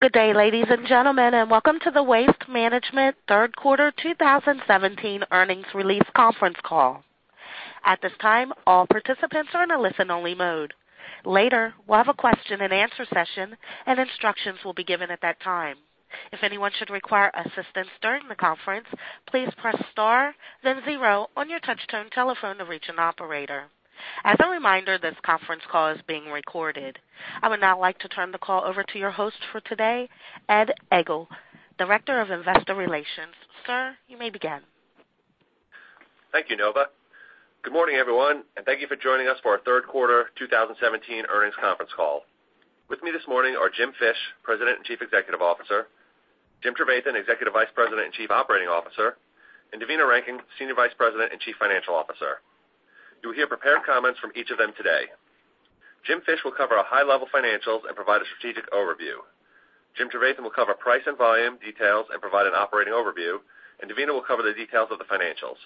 Good day, ladies and gentlemen, and welcome to the Waste Management third quarter 2017 earnings release conference call. At this time, all participants are in a listen-only mode. Later, we'll have a question and answer session, and instructions will be given at that time. If anyone should require assistance during the conference, please press star then zero on your touch-tone telephone to reach an operator. As a reminder, this conference call is being recorded. I would now like to turn the call over to your host for today, Ed Egl, Director of Investor Relations. Sir, you may begin. Thank you, Nova. Good morning, everyone, and thank you for joining us for our third quarter 2017 earnings conference call. With me this morning are Jim Fish, President and Chief Executive Officer, Jim Trevathan, Executive Vice President and Chief Operating Officer, and Devina Rankin, Senior Vice President and Chief Financial Officer. You will hear prepared comments from each of them today. Jim Fish will cover our high-level financials and provide a strategic overview. Jim Trevathan will cover price and volume details and provide an operating overview, and Devina will cover the details of the financials.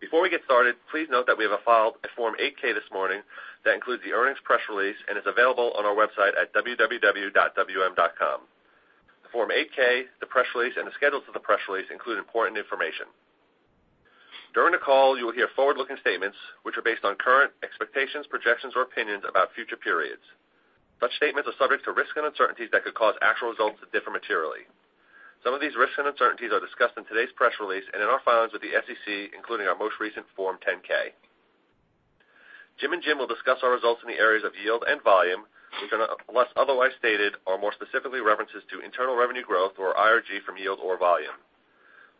Before we get started, please note that we have filed a Form 8-K this morning that includes the earnings press release and is available on our website at www.wm.com. The Form 8-K, the press release, and the schedules to the press release include important information. During the call, you will hear forward-looking statements which are based on current expectations, projections, or opinions about future periods. Such statements are subject to risks and uncertainties that could cause actual results to differ materially. Some of these risks and uncertainties are discussed in today's press release and in our filings with the SEC, including our most recent Form 10-K. Jim and Jim will discuss our results in the areas of yield and volume, which unless otherwise stated, are more specifically references to internal revenue growth or IRG from yield or volume.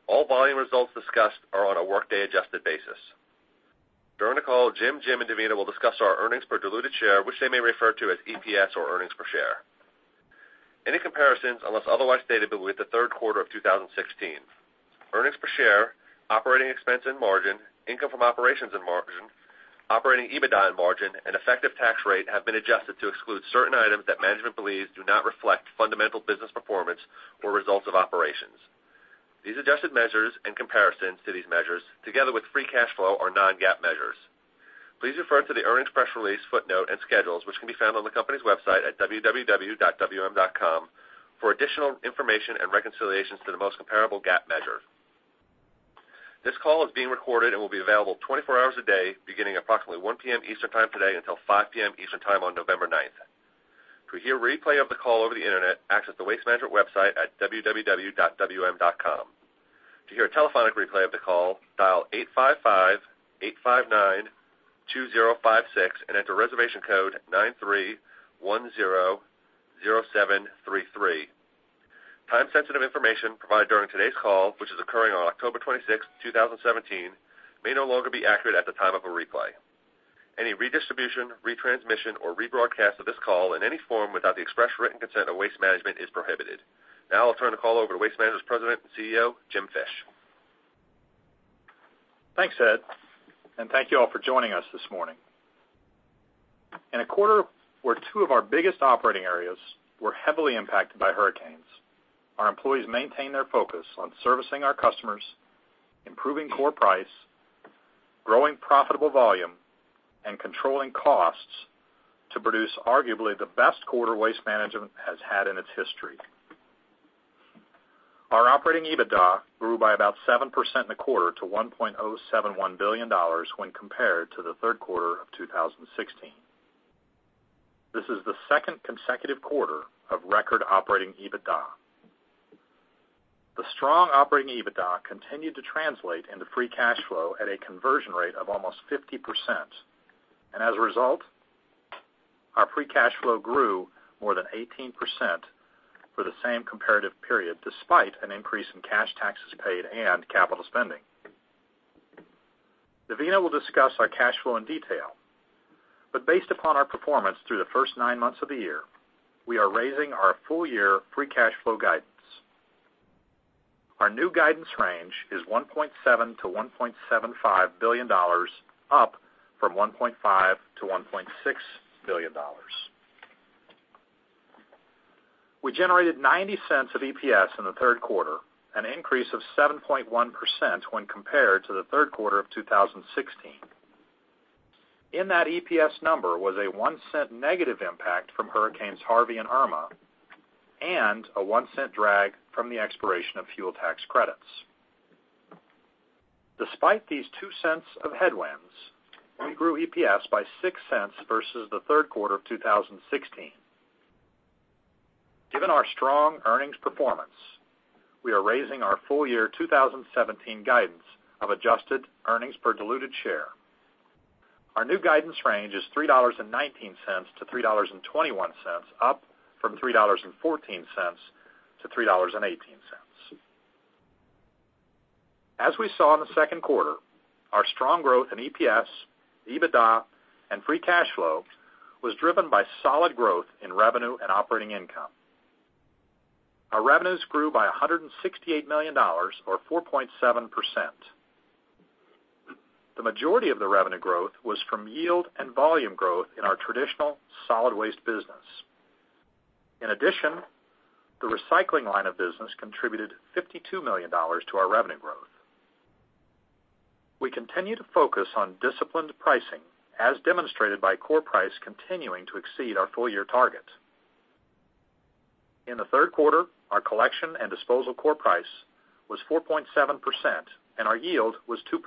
All volume results discussed are on a workday-adjusted basis. During the call, Jim, and Devina will discuss our earnings per diluted share, which they may refer to as EPS or earnings per share. Any comparisons, unless otherwise stated, will be with the third quarter of 2016. Earnings per share, operating expense and margin, income from operations and margin, operating EBITDA and margin, and effective tax rate have been adjusted to exclude certain items that management believes do not reflect fundamental business performance or results of operations. These adjusted measures and comparisons to these measures, together with free cash flow, are non-GAAP measures. Please refer to the earnings press release footnote and schedules, which can be found on the company's website at www.wm.com for additional information and reconciliations to the most comparable GAAP measure. This call is being recorded and will be available 24 hours a day, beginning at approximately 1:00 P.M. Eastern Time today until 5:00 P.M. Eastern Time on November 9th. To hear a replay of the call over the internet, access the Waste Management website at www.wm.com. To hear a telephonic replay of the call, dial 855-859-2056 and enter reservation code 93100733. Time-sensitive information provided during today's call, which is occurring on October 26, 2017, may no longer be accurate at the time of a replay. Any redistribution, retransmission, or rebroadcast of this call in any form without the express written consent of Waste Management is prohibited. I'll turn the call over to Waste Management's President and CEO, Jim Fish. Thanks, Ed, and thank you all for joining us this morning. In a quarter where two of our biggest operating areas were heavily impacted by hurricanes, our employees maintained their focus on servicing our customers, improving core price, growing profitable volume, and controlling costs to produce arguably the best quarter Waste Management has had in its history. Our operating EBITDA grew by about 7% in the quarter to $1.071 billion when compared to the third quarter of 2016. This is the second consecutive quarter of record operating EBITDA. The strong operating EBITDA continued to translate into free cash flow at a conversion rate of almost 50%. As a result, our free cash flow grew more than 18% for the same comparative period, despite an increase in cash taxes paid and capital spending. Devina will discuss our cash flow in detail. Based upon our performance through the first nine months of the year, we are raising our full-year free cash flow guidance. Our new guidance range is $1.7 billion-$1.75 billion, up from $1.5 billion-$1.6 billion. We generated $0.90 of EPS in the third quarter, an increase of 7.1% when compared to the third quarter of 2016. In that EPS number was a $0.01 negative impact from hurricanes Harvey and Irma, and a $0.01 drag from the expiration of fuel tax credits. Despite these $0.02 of headwinds, we grew EPS by $0.06 versus the third quarter of 2016. Given our strong earnings performance, we are raising our full-year 2017 guidance of adjusted earnings per diluted share. Our new guidance range is $3.19-$3.21, up from $3.14-$3.18. As we saw in the second quarter, our strong growth in EPS, EBITDA, and free cash flow was driven by solid growth in revenue and operating income. Our revenues grew by $168 million, or 4.7%. The majority of the revenue growth was from yield and volume growth in our traditional solid waste business. In addition, the recycling line of business contributed $52 million to our revenue growth. We continue to focus on disciplined pricing as demonstrated by core price continuing to exceed our full-year target. In the third quarter, our collection and disposal core price was 4.7% and our yield was 2%.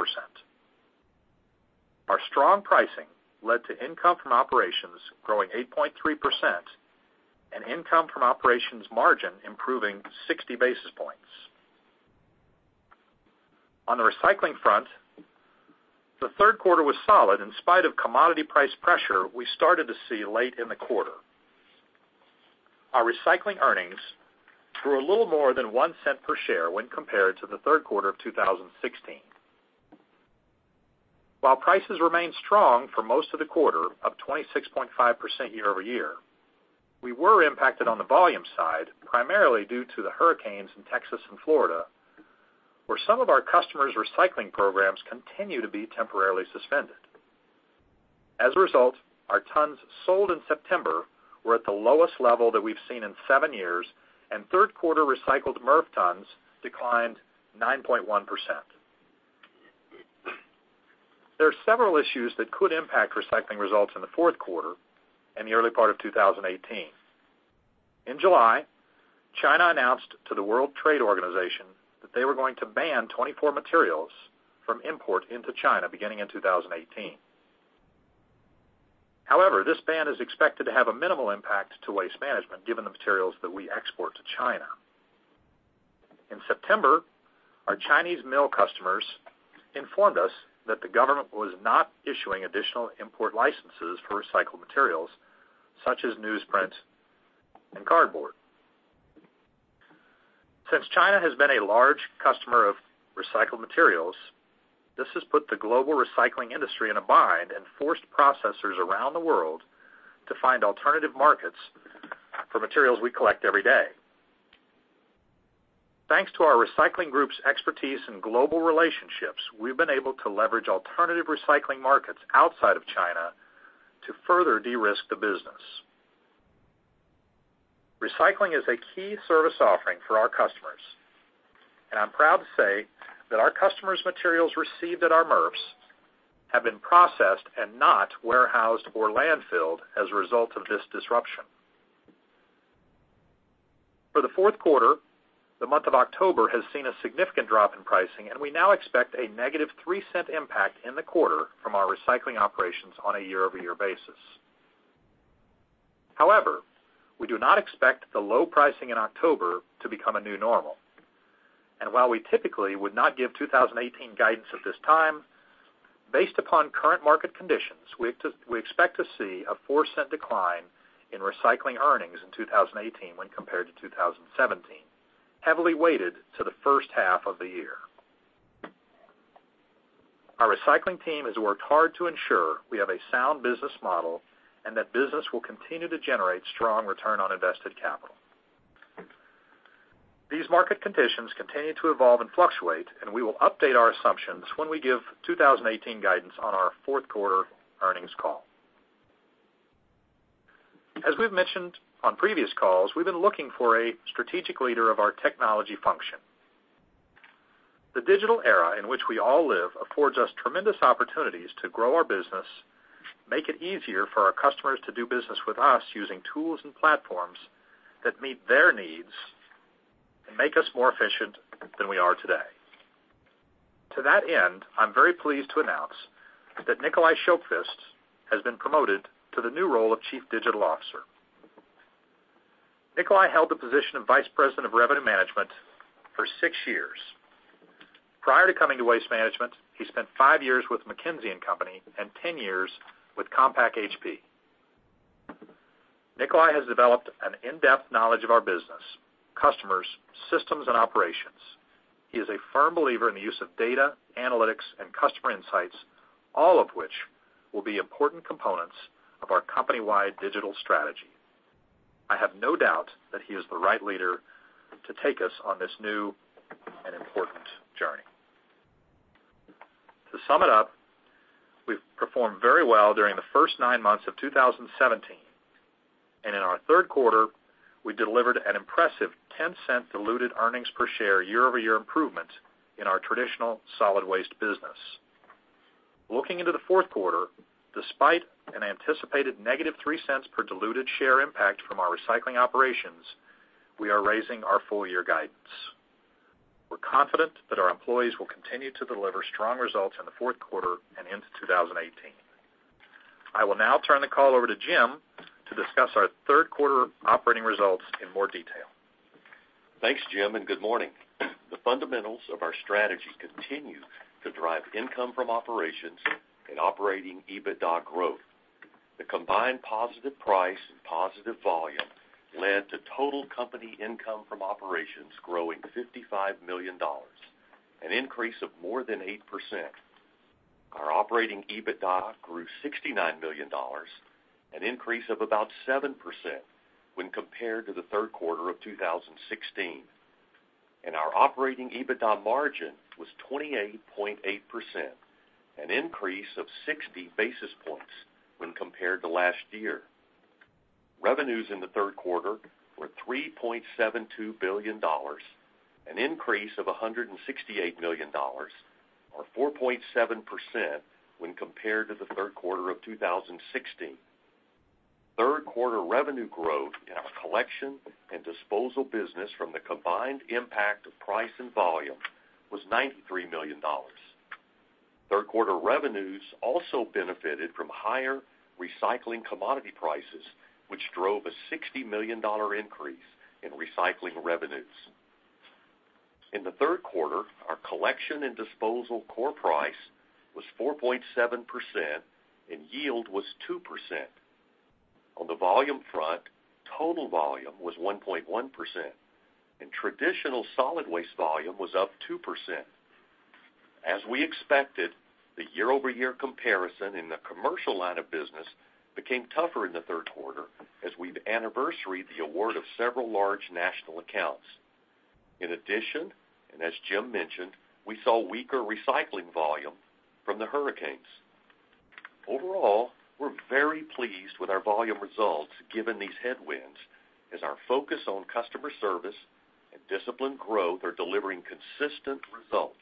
Our strong pricing led to income from operations growing 8.3% and income from operations margin improving 60 basis points. On the recycling front, the third quarter was solid in spite of commodity price pressure we started to see late in the quarter. Our recycling earnings grew a little more than $0.01 per share when compared to the third quarter of 2016. While prices remained strong for most of the quarter, up 26.5% year-over-year, we were impacted on the volume side, primarily due to the hurricanes in Texas and Florida, where some of our customers' recycling programs continue to be temporarily suspended. As a result, our tons sold in September were at the lowest level that we've seen in seven years, and third quarter recycled MRF tons declined 9.1%. There are several issues that could impact recycling results in the fourth quarter and the early part of 2018. In July, China announced to the World Trade Organization that they were going to ban 24 materials from import into China beginning in 2018. This ban is expected to have a minimal impact to Waste Management given the materials that we export to China. In September, our Chinese mill customers informed us that the government was not issuing additional import licenses for recycled materials such as newsprint and cardboard. China has been a large customer of recycled materials, this has put the global recycling industry in a bind and forced processors around the world to find alternative markets for materials we collect every day. Thanks to our recycling group's expertise in global relationships, we've been able to leverage alternative recycling markets outside of China to further de-risk the business. Recycling is a key service offering for our customers, and I'm proud to say that our customers' materials received at our MRFs have been processed and not warehoused or landfilled as a result of this disruption. For the fourth quarter, the month of October has seen a significant drop in pricing, and we now expect a negative $0.03 impact in the quarter from our recycling operations on a year-over-year basis. We do not expect the low pricing in October to become a new normal. While we typically would not give 2018 guidance at this time, based upon current market conditions, we expect to see a $0.04 decline in recycling earnings in 2018 when compared to 2017, heavily weighted to the first half of the year. Our recycling team has worked hard to ensure we have a sound business model and that business will continue to generate strong return on invested capital. These market conditions continue to evolve and fluctuate, and we will update our assumptions when we give 2018 guidance on our fourth quarter earnings call. As we've mentioned on previous calls, we've been looking for a strategic leader of our technology function. The digital era in which we all live affords us tremendous opportunities to grow our business, make it easier for our customers to do business with us using tools and platforms that meet their needs and make us more efficient than we are today. To that end, I'm very pleased to announce that Nikolaj Sjoqvist has been promoted to the new role of Chief Digital Officer. Nikolaj held the position of Vice President of Revenue Management for six years. Prior to coming to Waste Management, he spent five years with McKinsey & Company and 10 years with Compaq HP. Nikolaj has developed an in-depth knowledge of our business, customers, systems, and operations. He is a firm believer in the use of data, analytics, and customer insights, all of which will be important components of our company-wide digital strategy. I have no doubt that he is the right leader to take us on this new and important journey. To sum it up, we've performed very well during the first nine months of 2017. In our third quarter, we delivered an impressive $0.10 diluted earnings per share year-over-year improvement in our traditional solid waste business. Looking into the fourth quarter, despite an anticipated negative $0.03 per diluted share impact from our recycling operations, we are raising our full-year guidance. We're confident that our employees will continue to deliver strong results in the fourth quarter and into 2018. I will now turn the call over to Jim to discuss our third quarter operating results in more detail. Thanks, Jim, and good morning. The fundamentals of our strategy continue to drive income from operations and operating EBITDA growth. The combined positive price and positive volume led to total company income from operations growing $55 million, an increase of more than 8%. Our operating EBITDA grew $69 million, an increase of about 7% when compared to the third quarter of 2016. Our operating EBITDA margin was 28.8%, an increase of 60 basis points when compared to last year. Revenues in the third quarter were $3.72 billion, an increase of $168 million or 4.7% when compared to the third quarter of 2016. Third-quarter revenue growth in our collection and disposal business from the combined impact of price and volume was $93 million. Third-quarter revenues also benefited from higher recycling commodity prices, which drove a $60 million increase in recycling revenues. In the third quarter, our collection and disposal core price was 4.7%, and yield was 2%. On the volume front, total volume was 1.1%, and traditional solid waste volume was up 2%. As we expected, the year-over-year comparison in the commercial line of business became tougher in the third quarter as we've anniversaried the award of several large national accounts. In addition, as Jim mentioned, we saw weaker recycling volume from the hurricanes. Overall, we're very pleased with our volume results given these headwinds as our focus on customer service and disciplined growth are delivering consistent results.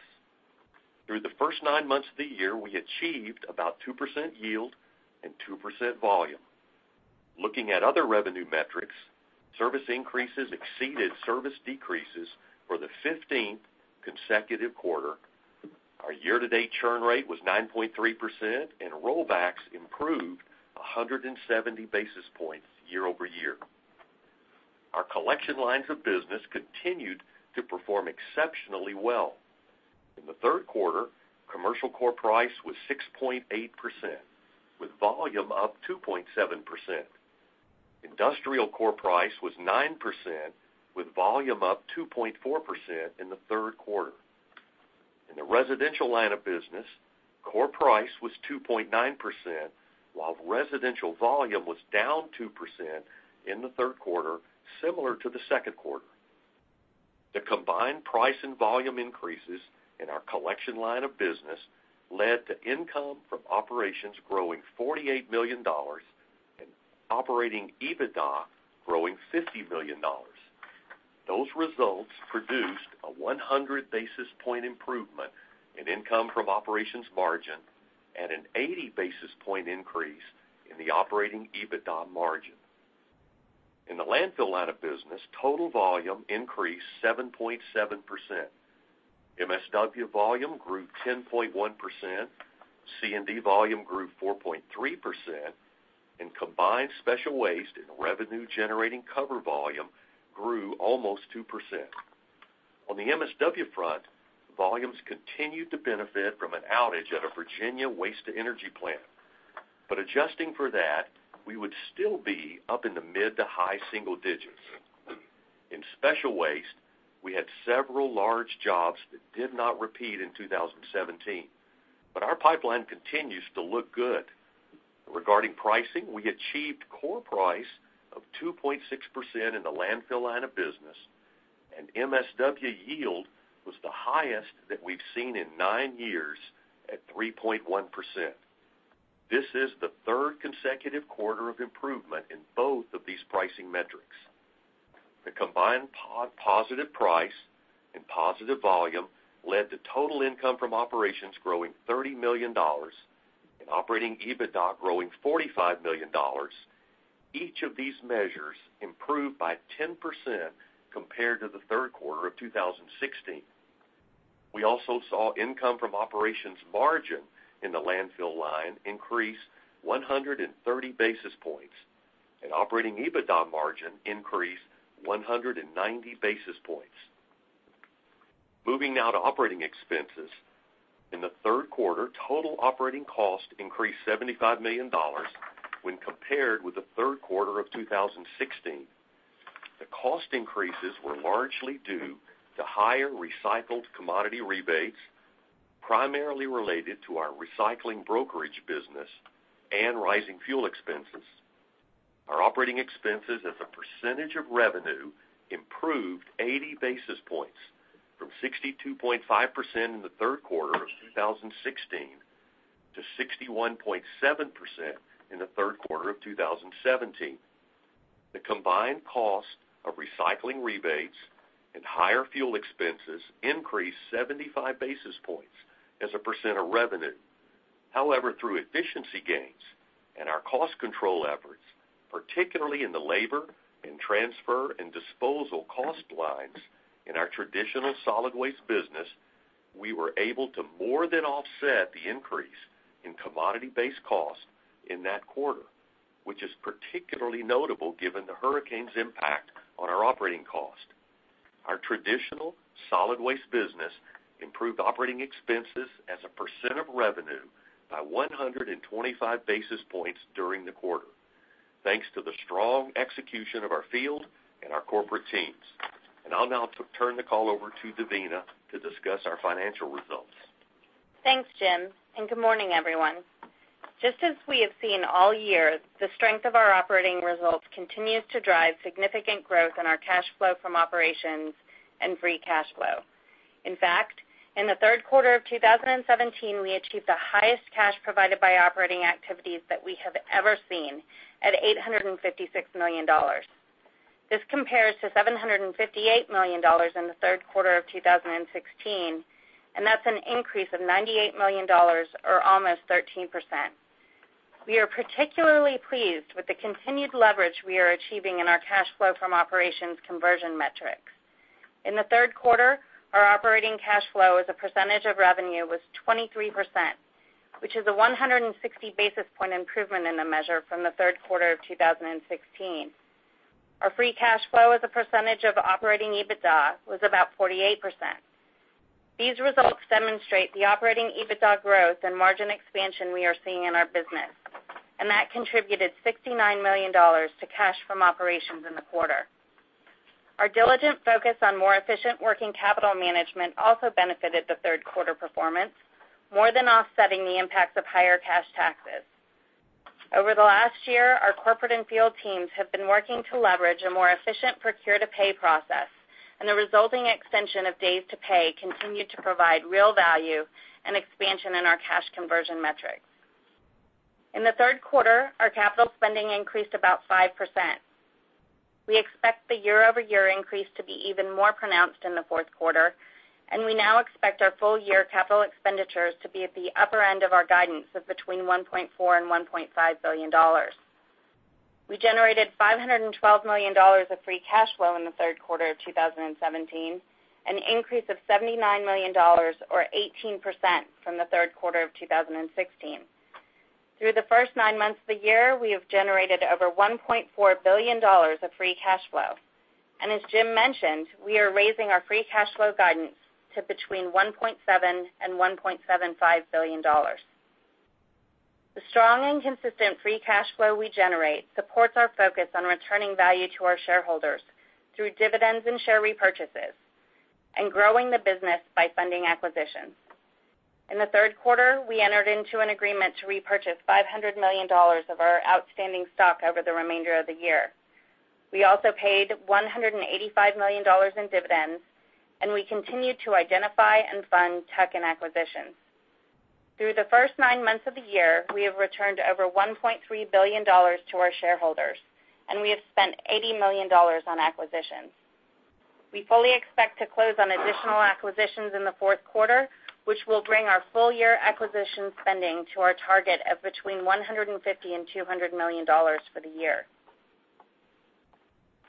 Through the first nine months of the year, we achieved about 2% yield and 2% volume. Looking at other revenue metrics, service increases exceeded service decreases for the 15th consecutive quarter. Our year-to-date churn rate was 9.3%, and rollbacks improved 170 basis points year-over-year. Our collection lines of business continued to perform exceptionally well. In the third quarter, commercial core price was 6.8%, with volume up 2.7%. Industrial core price was 9%, with volume up 2.4% in the third quarter. In the residential line of business, core price was 2.9%, while residential volume was down 2% in the third quarter, similar to the second quarter. The combined price and volume increases in our collection line of business led to income from operations growing $48 million and operating EBITDA growing $50 million. Those results produced a 100-basis point improvement in income from operations margin and an 80-basis point increase in the operating EBITDA margin. In the landfill line of business, total volume increased 7.7%. MSW volume grew 10.1%, C&D volume grew 4.3%, and combined special waste and revenue-generating cover volume grew almost 2%. On the MSW front, volumes continued to benefit from an outage at a Virginia waste-to-energy plant. Adjusting for that, we would still be up in the mid to high single digits. In special waste, we had several large jobs that did not repeat in 2017, but our pipeline continues to look good. Regarding pricing, we achieved core price of 2.6% in the landfill line of business, and MSW yield was the highest that we've seen in nine years at 3.1%. This is the third consecutive quarter of improvement in both of these pricing metrics. The combined positive price and positive volume led to total income from operations growing $30 million and operating EBITDA growing $45 million. Each of these measures improved by 10% compared to the third quarter of 2016. We also saw income from operations margin in the landfill line increase 130 basis points, and operating EBITDA margin increase 190 basis points. Moving now to operating expenses. In the third quarter, total operating cost increased $75 million when compared with the third quarter of 2016. The cost increases were largely due to higher recycled commodity rebates, primarily related to our recycling brokerage business and rising fuel expenses. Our operating expenses as a % of revenue improved 80 basis points from 62.5% in the third quarter of 2016 to 61.7% in the third quarter of 2017. The combined cost of recycling rebates and higher fuel expenses increased 75 basis points as a % of revenue. Through efficiency gains and our cost control efforts, particularly in the labor and transfer and disposal cost lines in our traditional solid waste business, we were able to more than offset the increase in commodity-based cost in that quarter, which is particularly notable given the hurricane's impact on our operating cost. Our traditional solid waste business improved operating expenses as a % of revenue by 125 basis points during the quarter, thanks to the strong execution of our field and our corporate teams. I'll now turn the call over to Devina to discuss our financial results. Thanks, Jim, good morning, everyone. Just as we have seen all year, the strength of our operating results continues to drive significant growth in our cash flow from operations and free cash flow. In fact, in the third quarter of 2017, we achieved the highest cash provided by operating activities that we have ever seen at $856 million. This compares to $758 million in the third quarter of 2016, that's an increase of $98 million or almost 13%. We are particularly pleased with the continued leverage we are achieving in our cash flow from operations conversion metrics. In the third quarter, our operating cash flow as a % of revenue was 23%, which is a 160 basis point improvement in the measure from the third quarter of 2016. Our free cash flow as a % of operating EBITDA was about 48%. These results demonstrate the operating EBITDA growth and margin expansion we are seeing in our business, and that contributed $69 million to cash from operations in the quarter. Our diligent focus on more efficient working capital management also benefited the third quarter performance, more than offsetting the impacts of higher cash taxes. Over the last year, our corporate and field teams have been working to leverage a more efficient procure-to-pay process, and the resulting extension of days to pay continued to provide real value and expansion in our cash conversion metrics. In the third quarter, our capital spending increased about 5%. We expect the year-over-year increase to be even more pronounced in the fourth quarter, and we now expect our full year capital expenditures to be at the upper end of our guidance of between $1.4 billion and $1.5 billion. We generated $512 million of free cash flow in the third quarter of 2017, an increase of $79 million or 18% from the third quarter of 2016. Through the first nine months of the year, we have generated over $1.4 billion of free cash flow. As Jim mentioned, we are raising our free cash flow guidance to between $1.7 billion and $1.75 billion. The strong and consistent free cash flow we generate supports our focus on returning value to our shareholders through dividends and share repurchases and growing the business by funding acquisitions. In the third quarter, we entered into an agreement to repurchase $500 million of our outstanding stock over the remainder of the year. We also paid $185 million in dividends, and we continued to identify and fund tech and acquisitions. Through the first nine months of the year, we have returned over $1.3 billion to our shareholders, and we have spent $80 million on acquisitions. We fully expect to close on additional acquisitions in the fourth quarter, which will bring our full-year acquisition spending to our target of between $150 million and $200 million for the year.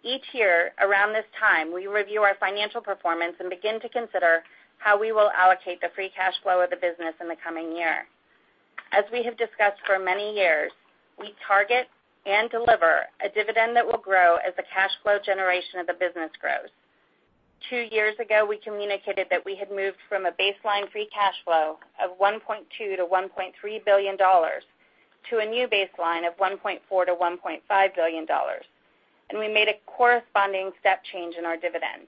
Each year around this time, we review our financial performance and begin to consider how we will allocate the free cash flow of the business in the coming year. As we have discussed for many years, we target and deliver a dividend that will grow as the cash flow generation of the business grows. Two years ago, we communicated that we had moved from a baseline free cash flow of $1.2 billion to $1.3 billion to a new baseline of $1.4 billion to $1.5 billion, and we made a corresponding step change in our dividend.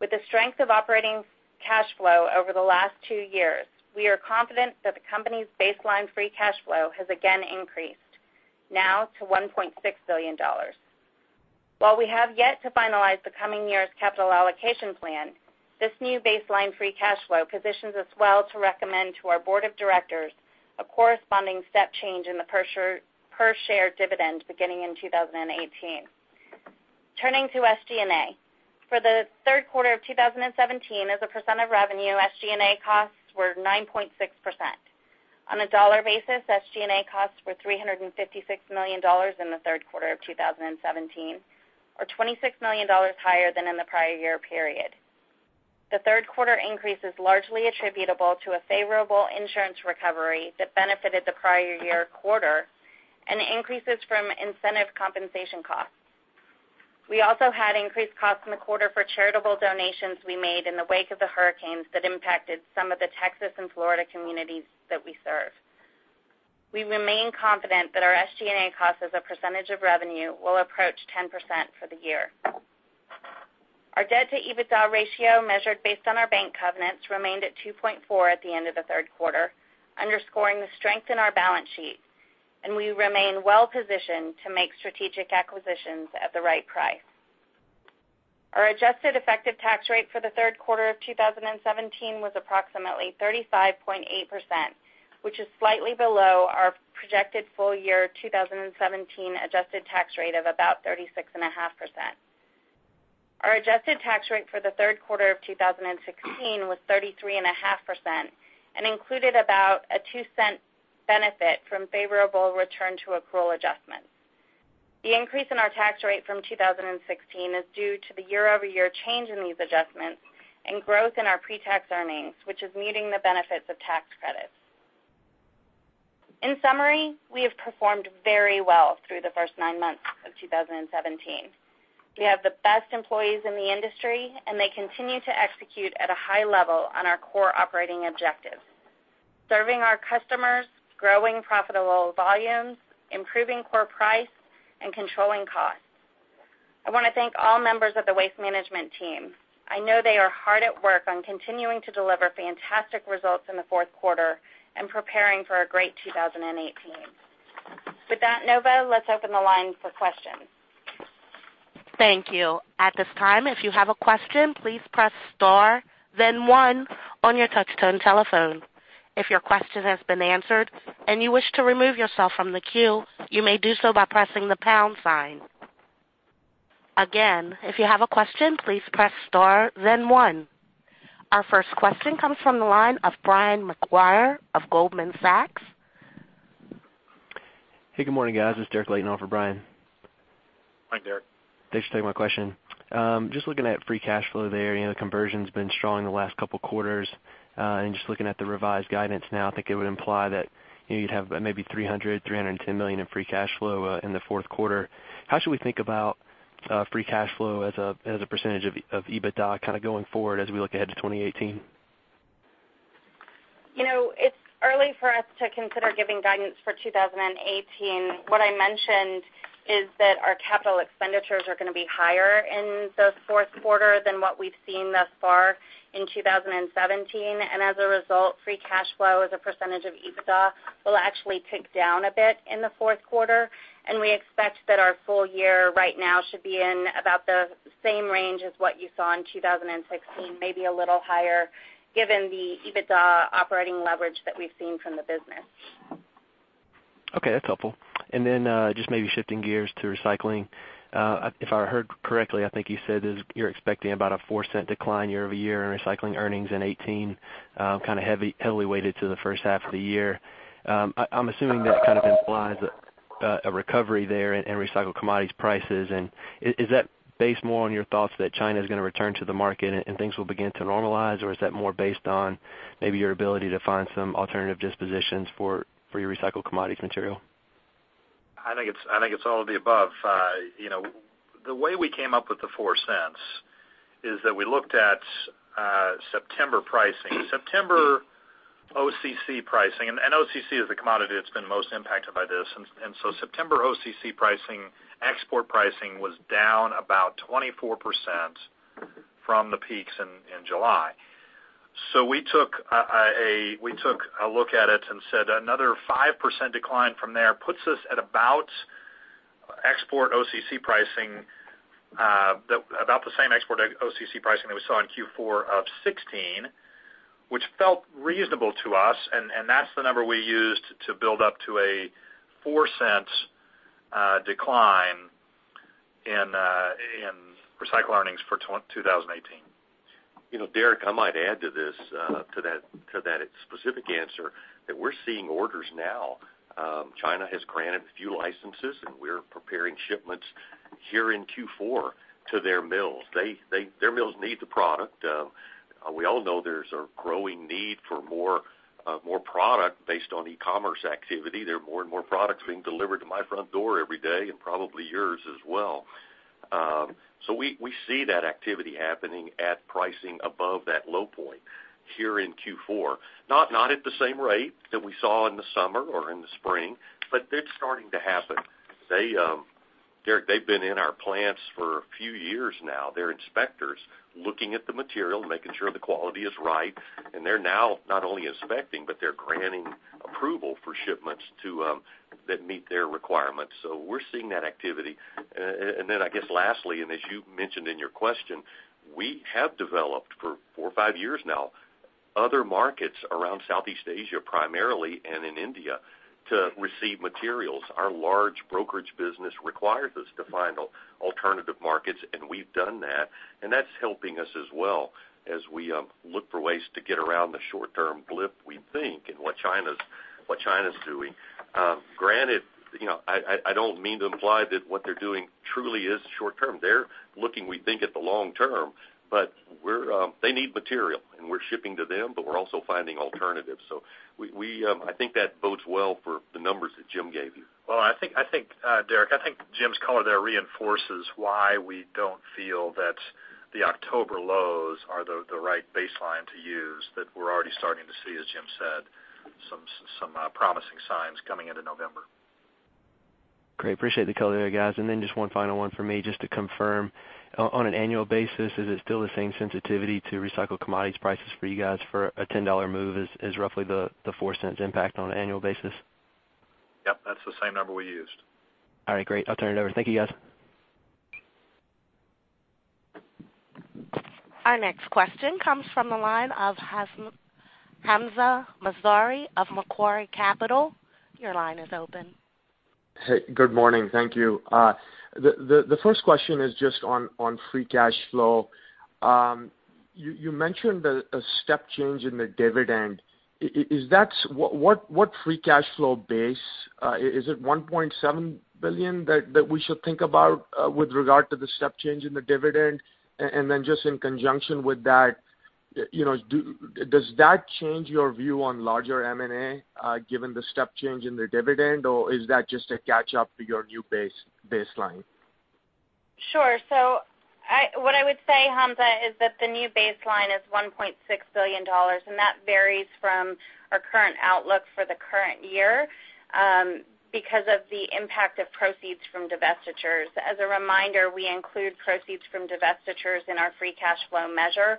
With the strength of operating cash flow over the last two years, we are confident that the company's baseline free cash flow has again increased, now to $1.6 billion. While we have yet to finalize the coming year's capital allocation plan, this new baseline free cash flow positions us well to recommend to our board of directors a corresponding step change in the per share dividend beginning in 2018. Turning to SG&A. For the third quarter of 2017 as a percent of revenue, SG&A costs were 9.6%. On a dollar basis, SG&A costs were $356 million in the third quarter of 2017, or $26 million higher than in the prior year period. The third quarter increase is largely attributable to a favorable insurance recovery that benefited the prior year quarter and increases from incentive compensation costs. We also had increased costs in the quarter for charitable donations we made in the wake of the hurricanes that impacted some of the Texas and Florida communities that we serve. We remain confident that our SG&A costs as a percentage of revenue will approach 10% for the year. Our debt to EBITDA ratio measured based on our bank covenants remained at 2.4 at the end of the third quarter, underscoring the strength in our balance sheet, and we remain well-positioned to make strategic acquisitions at the right price. Our adjusted effective tax rate for the third quarter of 2017 was approximately 35.8%, which is slightly below our projected full year 2017 adjusted tax rate of about 36.5%. Our adjusted tax rate for the third quarter of 2016 was 33.5% and included about a $0.02 benefit from favorable return to accrual adjustments. The increase in our tax rate from 2016 is due to the year-over-year change in these adjustments and growth in our pre-tax earnings, which is meeting the benefits of tax credits. In summary, we have performed very well through the first nine months of 2017. We have the best employees in the industry. They continue to execute at a high level on our core operating objectives: serving our customers, growing profitable volumes, improving core price, and controlling costs. I want to thank all members of the Waste Management team. I know they are hard at work on continuing to deliver fantastic results in the fourth quarter and preparing for a great 2018. With that, Nova, let's open the line for questions. Thank you. At this time, if you have a question, please press star then one on your touch-tone telephone. If your question has been answered and you wish to remove yourself from the queue, you may do so by pressing the pound sign. Again, if you have a question, please press star then one. Our first question comes from the line of Brian Maguire of Goldman Sachs. Hey, good morning, guys. It's Derek laying on for Brian. Hi, Derek. Thanks for taking my question. Just looking at free cash flow there, the conversion's been strong the last couple quarters. Just looking at the revised guidance now, I think it would imply that you'd have maybe $300, $310 million in free cash flow in the fourth quarter. How should we think about free cash flow as a percentage of EBITDA going forward as we look ahead to 2018? It's early for us to consider giving guidance for 2018. What I mentioned is that our capital expenditures are going to be higher in the fourth quarter than what we've seen thus far in 2017. As a result, free cash flow as a percentage of EBITDA will actually tick down a bit in the fourth quarter. We expect that our full year right now should be in about the same range as what you saw in 2016, maybe a little higher given the EBITDA operating leverage that we've seen from the business. Okay, that's helpful. Then just maybe shifting gears to recycling. If I heard correctly, I think you said you're expecting about a $0.04 decline year-over-year in recycling earnings in 2018, heavily weighted to the first half of the year. I'm assuming that kind of implies a recovery there in recycled commodities prices. Is that based more on your thoughts that China's going to return to the market and things will begin to normalize? Is that more based on maybe your ability to find some alternative dispositions for your recycled commodities material? I think it's all of the above. The way we came up with the $0.04 is that we looked at September pricing. September OCC pricing. OCC is the commodity that's been most impacted by this. September OCC pricing, export pricing, was down about 24% from the peaks in July. We took a look at it and said another 5% decline from there puts us at about the same export OCC pricing that we saw in Q4 of 2016, which felt reasonable to us, and that's the number we used to build up to a $0.04 decline in recycled earnings for 2018. Derek, I might add to that specific answer, that we're seeing orders now. China has granted a few licenses, and we're preparing shipments here in Q4 to their mills. Their mills need the product. We all know there's a growing need for more product based on e-commerce activity. There are more and more products being delivered to my front door every day and probably yours as well. We see that activity happening at pricing above that low point here in Q4. Not at the same rate that we saw in the summer or in the spring, but it's starting to happen. Derek, they've been in our plants for a few years now. They're inspectors looking at the material, making sure the quality is right, and they're now not only inspecting, but they're granting approval for shipments that meet their requirements. We're seeing that activity. I guess lastly, and as you mentioned in your question, we have developed for 4 or 5 years now, other markets around Southeast Asia primarily and in India to receive materials. Our large brokerage business requires us to find alternative markets, and we've done that, and that's helping us as well as we look for ways to get around the short-term blip we think in what China's doing. Granted, I don't mean to imply that what they're doing truly is short-term. They're looking, we think, at the long term, but they need material and we're shipping to them, but we're also finding alternatives. I think that bodes well for the numbers that Jim gave you. Derek, I think Jim's color there reinforces why we don't feel that the October lows are the right baseline to use, that we're already starting to see, as Jim said, some promising signs coming into November. Great. Appreciate the color there, guys. Just one final one for me. Just to confirm, on an annual basis, is it still the same sensitivity to recycled commodities prices for you guys for a $10 move is roughly the $0.04 impact on an annual basis? Yep. That's the same number we used. All right. Great. I'll turn it over. Thank you, guys. Our next question comes from the line of Hamzah Mazari of Macquarie Capital. Your line is open. Good morning. Thank you. The first question is just on free cash flow. You mentioned a step change in the dividend. What free cash flow base? Is it $1.7 billion that we should think about with regard to the step change in the dividend? Then just in conjunction with that, does that change your view on larger M&A given the step change in the dividend, or is that just a catch up to your new baseline? Sure. What I would say, Hamzah, is that the new baseline is $1.6 billion. That varies from our current outlook for the current year because of the impact of proceeds from divestitures. As a reminder, we include proceeds from divestitures in our free cash flow measure.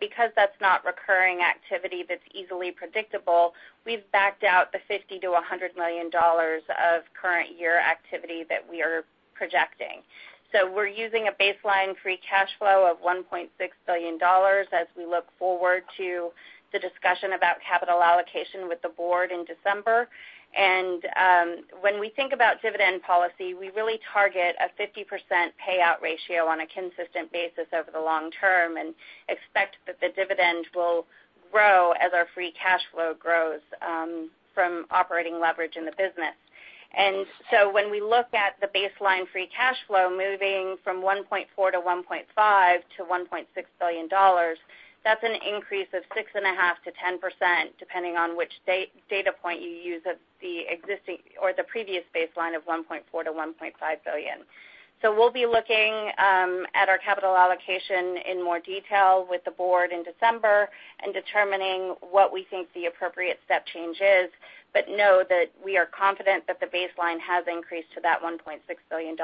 Because that's not recurring activity that's easily predictable, we've backed out the $50 million-$100 million of current year activity that we are projecting. We're using a baseline free cash flow of $1.6 billion as we look forward to the discussion about capital allocation with the board in December. When we think about dividend policy, we really target a 50% payout ratio on a consistent basis over the long term and expect that the dividend will grow as our free cash flow grows from operating leverage in the business. When we look at the baseline free cash flow moving from $1.4 to $1.5 to $1.6 billion, that's an increase of 6.5%-10%, depending on which data point you use of the existing or the previous baseline of $1.4 to $1.5 billion. We'll be looking at our capital allocation in more detail with the board in December and determining what we think the appropriate step change is, but know that we are confident that the baseline has increased to that $1.6 billion.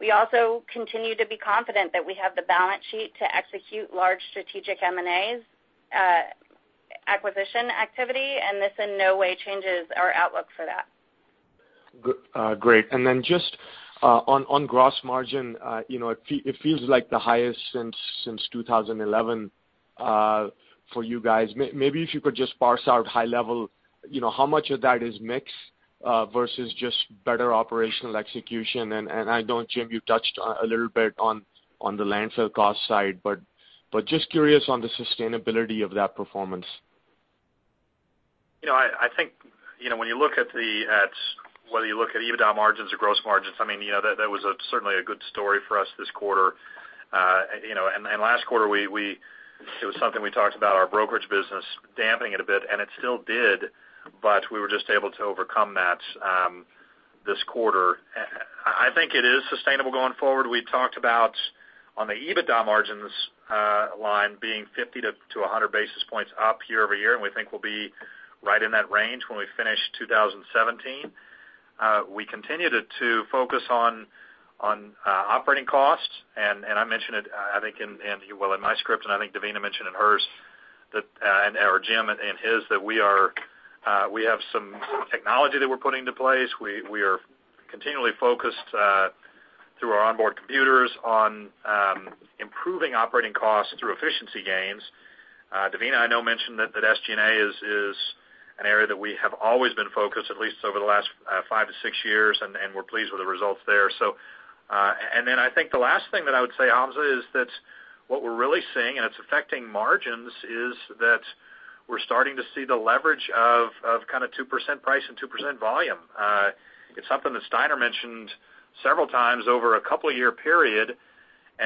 We also continue to be confident that we have the balance sheet to execute large strategic M&A acquisition activity. This in no way changes our outlook for that. Great. Then just on gross margin, it feels like the highest since 2011 for you guys. Maybe if you could just parse out high level, how much of that is mix versus just better operational execution. I know, Jim, you touched a little bit on the landfill cost side, but just curious on the sustainability of that performance. I think when you look at whether you look at EBITDA margins or gross margins, that was certainly a good story for us this quarter. Last quarter, it was something we talked about our brokerage business dampening it a bit, and it still did, but we were just able to overcome that this quarter. I think it is sustainable going forward. We talked about on the EBITDA margins line being 50 to 100 basis points up year-over-year, and we think we'll be right in that range when we finish 2017. We continue to focus on operating costs, I mentioned it, I think in my script, and I think Devina mentioned in hers, or Jim in his, that we have some technology that we're putting into place. We are continually focused through our onboard computers on improving operating costs through efficiency gains. Devina, I know, mentioned that SG&A is an area that we have always been focused, at least over the last five to six years, and we're pleased with the results there. I think the last thing that I would say, Hamzah, is that what we're really seeing, it's affecting margins, is that we're starting to see the leverage of kind of 2% price and 2% volume. It's something that Steiner mentioned several times over a couple of year period,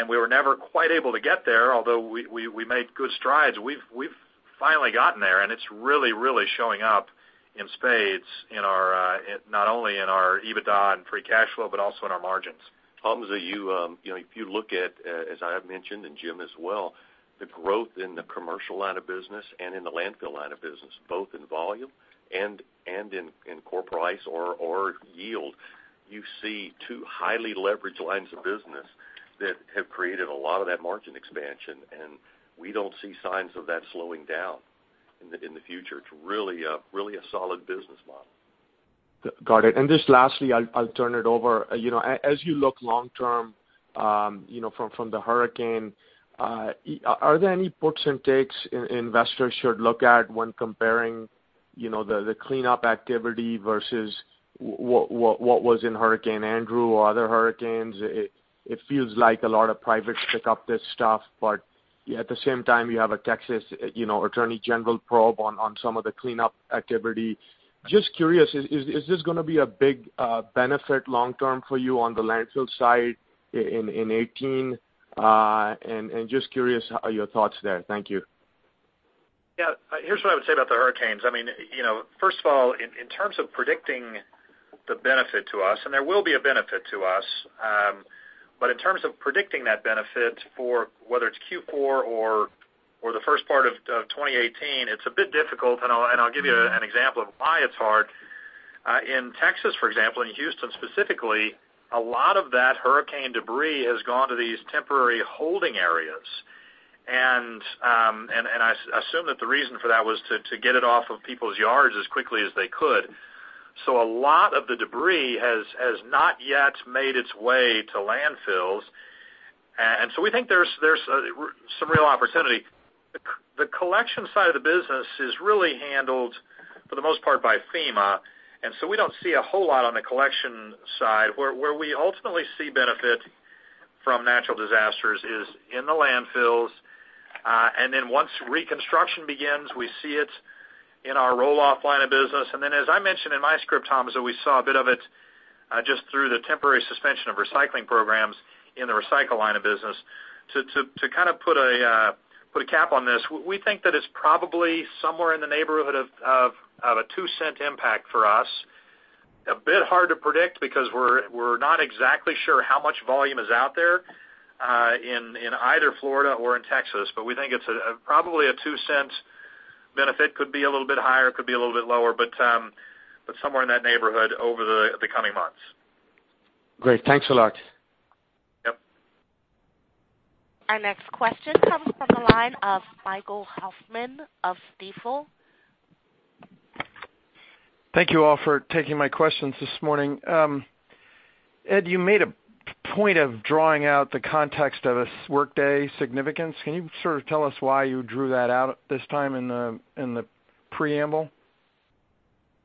we were never quite able to get there, although we made good strides. We've finally gotten there, it's really, really showing up in spades, not only in our EBITDA and free cash flow, but also in our margins. Hamzah, if you look at, as I have mentioned, Jim as well, the growth in the commercial line of business and in the landfill line of business, both in volume and in core price or yield, you see two highly leveraged lines of business that have created a lot of that margin expansion, we don't see signs of that slowing down in the future. It's really a solid business model. Got it. Just lastly, I'll turn it over. As you look long term from the hurricane, are there any puts and takes investors should look at when comparing the cleanup activity versus what was in Hurricane Andrew or other hurricanes? It feels like a lot of private pick up this stuff, but at the same time, you have a Texas Attorney General probe on some of the cleanup activity. Just curious, is this going to be a big benefit long term for you on the landfill side in 2018? Just curious, your thoughts there. Thank you. Yeah. Here's what I would say about the hurricanes. First of all, in terms of predicting the benefit to us, there will be a benefit to us, but in terms of predicting that benefit for whether it's Q4 or the first part of 2018, it's a bit difficult, and I'll give you an example of why it's hard. In Texas, for example, in Houston specifically, a lot of that hurricane debris has gone to these temporary holding areas. I assume that the reason for that was to get it off of people's yards as quickly as they could. A lot of the debris has not yet made its way to landfills. We think there's some real opportunity. The collection side of the business is really handled for the most part by FEMA, and so we don't see a whole lot on the collection side. Where we ultimately see benefit from natural disasters is in the landfills. Once reconstruction begins, we see it in our roll-off line of business. As I mentioned in my script, Hamzah, we saw a bit of it just through the temporary suspension of recycling programs in the recycle line of business. To kind of put a cap on this, we think that it's probably somewhere in the neighborhood of a $0.02 impact for us, a bit hard to predict because we're not exactly sure how much volume is out there, in either Florida or in Texas, but we think it's probably a $0.02 benefit. Could be a little bit higher, could be a little bit lower, but somewhere in that neighborhood over the coming months. Great. Thanks a lot. Yep. Our next question comes from the line of Michael Hoffman of Stifel. Thank you all for taking my questions this morning. Ed, you made a point of drawing out the context of a workday significance. Can you sort of tell us why you drew that out this time in the preamble?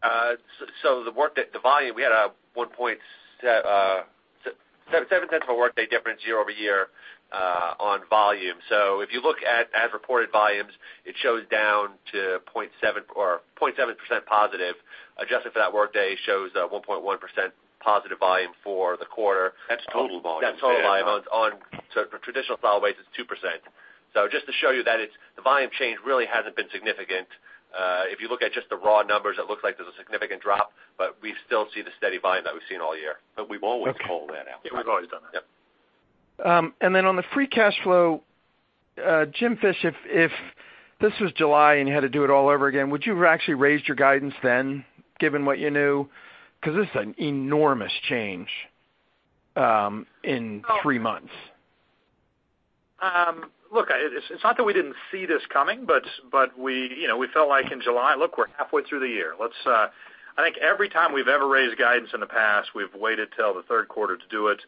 The volume, we had $0.07 of a workday difference year-over-year on volume. If you look at as reported volumes, it shows down to 0.7% positive. Adjusted for that workday, shows a 1.1% positive volume for the quarter. That's total volume. That's total volume. On traditional solid waste, it's 2%. Just to show you that the volume change really hasn't been significant. If you look at just the raw numbers, it looks like there's a significant drop, but we still see the steady volume that we've seen all year. We've always called that out. Okay. Yeah, we've always done that. Yep. Then on the free cash flow, Jim Fish, if this was July and you had to do it all over again, would you have actually raised your guidance then, given what you knew? Because this is an enormous change in three months. Look, it's not that we didn't see this coming, but we felt like in July, look, we're halfway through the year. I think every time we've ever raised guidance in the past, we've waited till the third quarter to do it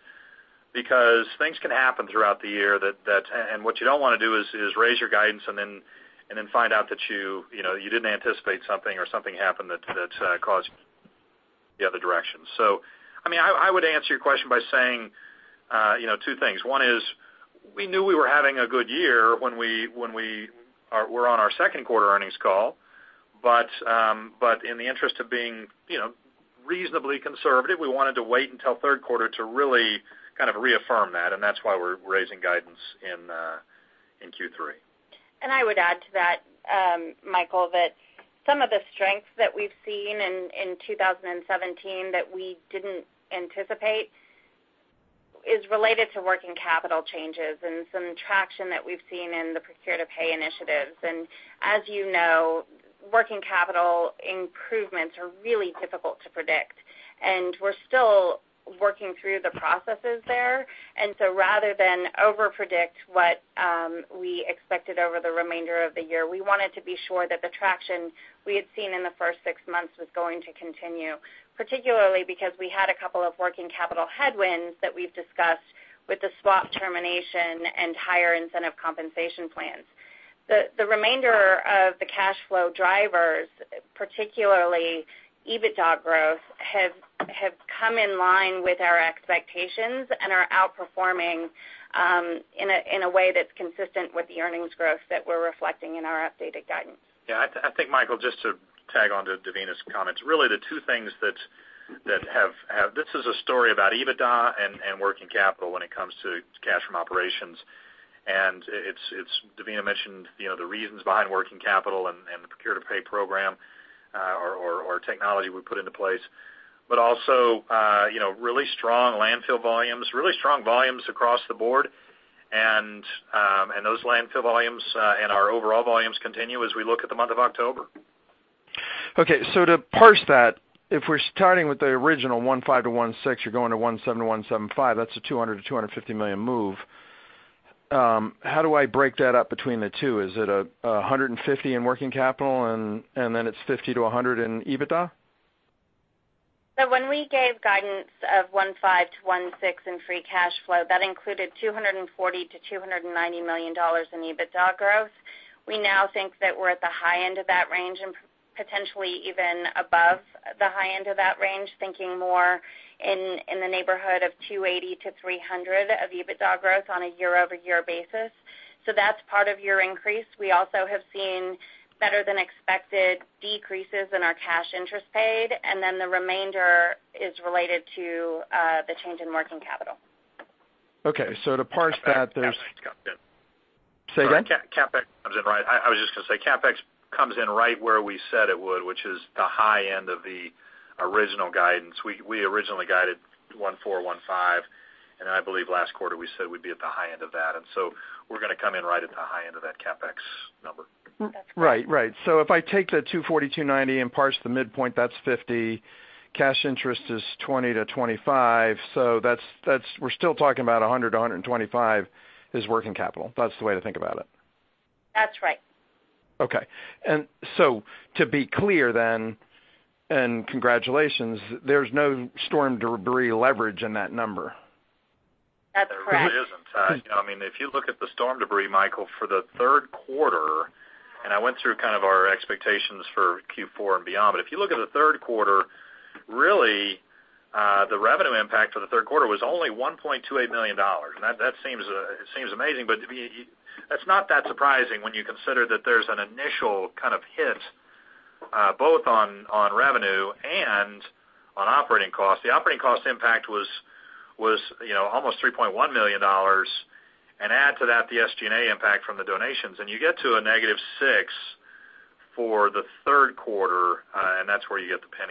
because things can happen throughout the year, and what you don't want to do is raise your guidance and then find out that you didn't anticipate something or something happened that caused the other direction. I would answer your question by saying two things. One is, we knew we were having a good year when we were on our second quarter earnings call, but in the interest of being reasonably conservative, we wanted to wait until third quarter to really kind of reaffirm that, and that's why we're raising guidance in Q3. I would add to that, Michael, that some of the strengths that we've seen in 2017 that we didn't anticipate is related to working capital changes and some traction that we've seen in the procure-to-pay initiatives. As you know, working capital improvements are really difficult to predict, and we're still working through the processes there. Rather than over-predict what we expected over the remainder of the year, we wanted to be sure that the traction we had seen in the first six months was going to continue, particularly because we had a couple of working capital headwinds that we've discussed with the swap termination and higher incentive compensation plans. The remainder of the cash flow drivers, particularly EBITDA growth, have come in line with our expectations and are outperforming in a way that's consistent with the earnings growth that we're reflecting in our updated guidance. I think, Michael, just to tag on to Devina's comments, this is a story about EBITDA and working capital when it comes to cash from operations. Devina mentioned the reasons behind working capital and the procure-to-pay program or technology we put into place, also really strong landfill volumes, really strong volumes across the board. Those landfill volumes and our overall volumes continue as we look at the month of October. To parse that, if we're starting with the original $1.5-$1.6, you're going to $1.7-$1.75, that's a $200 million-$250 million move. How do I break that up between the two? Is it $150 million in working capital and then it's $50 million-$100 million in EBITDA? When we gave guidance of $1.5-$1.6 in free cash flow, that included $240 million-$290 million in EBITDA growth. We now think that we're at the high end of that range and potentially even above the high end of that range, thinking more in the neighborhood of $280 million-$300 million of EBITDA growth on a year-over-year basis. That's part of your increase. We also have seen better than expected decreases in our cash interest paid, the remainder is related to the change in working capital. Okay, to parse that. CapEx comes in. Say again? CapEx comes in right where we said it would, which is the high end of the original guidance. We originally guided $1.4, $1.5, I believe last quarter we said we'd be at the high end of that. So we're going to come in right at the high end of that CapEx number. That's correct. Right. If I take the $240, $290 and parse the midpoint, that's $50. Cash interest is $20-$25. We're still talking about $100, $125 is working capital. That's the way to think about it. That's right. Okay. To be clear then, and congratulations, there's no storm debris leverage in that number. That's correct. There really isn't. If you look at the storm debris, Michael, for the third quarter, I went through kind of our expectations for Q4 and beyond, if you look at the third quarter, really, the revenue impact for the third quarter was only $1.28 million. That seems amazing, but that's not that surprising when you consider that there's an initial kind of hit both on revenue and on operating costs. The operating cost impact was almost $3.1 million. Add to that the SG&A impact from the donations, and you get to a negative $0.06 for the third quarter, and that's where you get the $0.01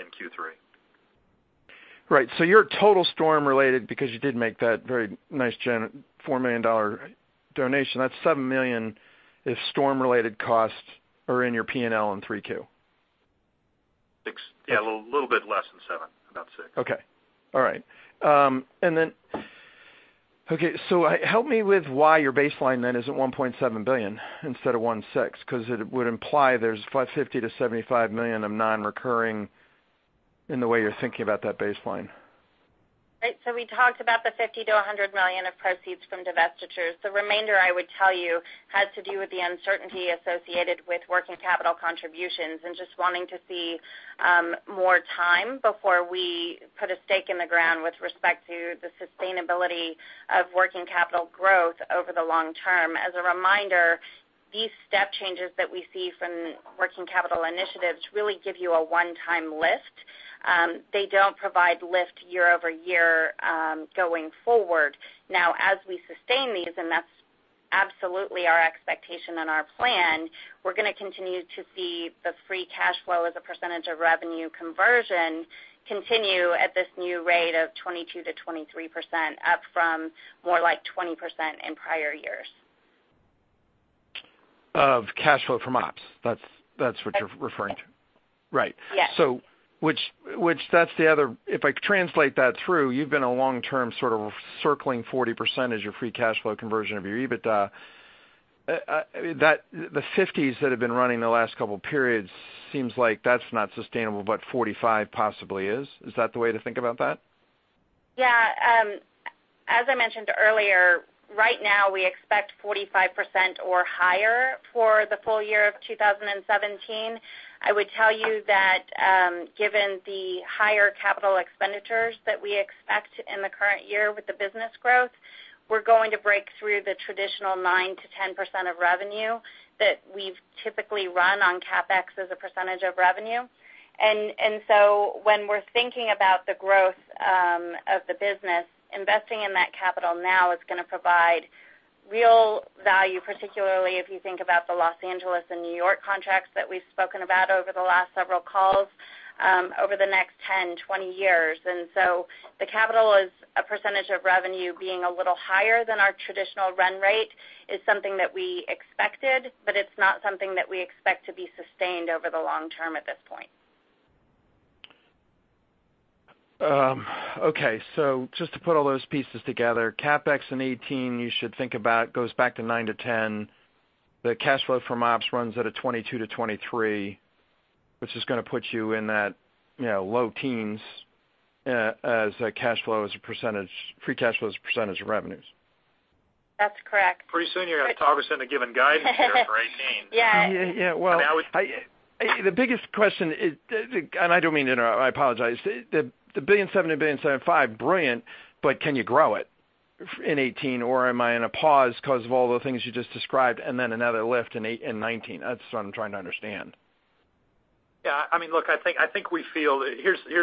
in Q3. Right. Your total storm related, because you did make that very nice $4 million donation, that's $7 million if storm-related costs are in your P&L in 3Q. $6 million. Yeah, a little bit less than $7 million, about $6 million. Help me with why your baseline then is at $1.7 billion instead of $1.6 billion, because it would imply there's $50 million-$75 million of non-recurring in the way you're thinking about that baseline. Right. We talked about the $50 million-$100 million of proceeds from divestitures. The remainder, I would tell you, has to do with the uncertainty associated with working capital contributions and just wanting to see more time before we put a stake in the ground with respect to the sustainability of working capital growth over the long term. As a reminder, these step changes that we see from working capital initiatives really give you a one-time lift. They don't provide lift year-over-year going forward. Now, as we sustain these, and that's absolutely our expectation and our plan, we're going to continue to see the free cash flow as a percentage of revenue conversion continue at this new rate of 22%-23%, up from more like 20% in prior years. Of cash flow from ops. That's what you're referring to. Yes. Right. If I translate that through, you've been a long-term sort of circling 40% as your free cash flow conversion of your EBITDA. The 50% that have been running the last couple of periods seems like that's not sustainable, but 45% possibly is. Is that the way to think about that? As I mentioned earlier, right now we expect 45% or higher for the full year of 2017. I would tell you that given the higher capital expenditures that we expect in the current year with the business growth, we're going to break through the traditional 9%-10% of revenue that we've typically run on CapEx as a percentage of revenue. When we're thinking about the growth of the business, investing in that capital now is going to provide real value, particularly if you think about the L.A. and N.Y. contracts that we've spoken about over the last several calls over the next 10-20 years. The capital as a percentage of revenue being a little higher than our traditional run rate is something that we expected, but it's not something that we expect to be sustained over the long term at this point. Just to put all those pieces together, CapEx in 2018 you should think about goes back to 9%-10%. The cash flow from ops runs at a 22%-23%, which is going to put you in that low teens as free cash flow as a percentage of revenues. That's correct. Pretty soon you're going to talk us into giving guidance there for 2018. Yeah. Yeah. Now it's- The biggest question is, and I don't mean to interrupt, I apologize. The $1.7 billion-$1.75 billion, brilliant, but can you grow it in 2018 or am I in a pause because of all the things you just described and then another lift in 2019? That's what I'm trying to understand. Yeah. Here's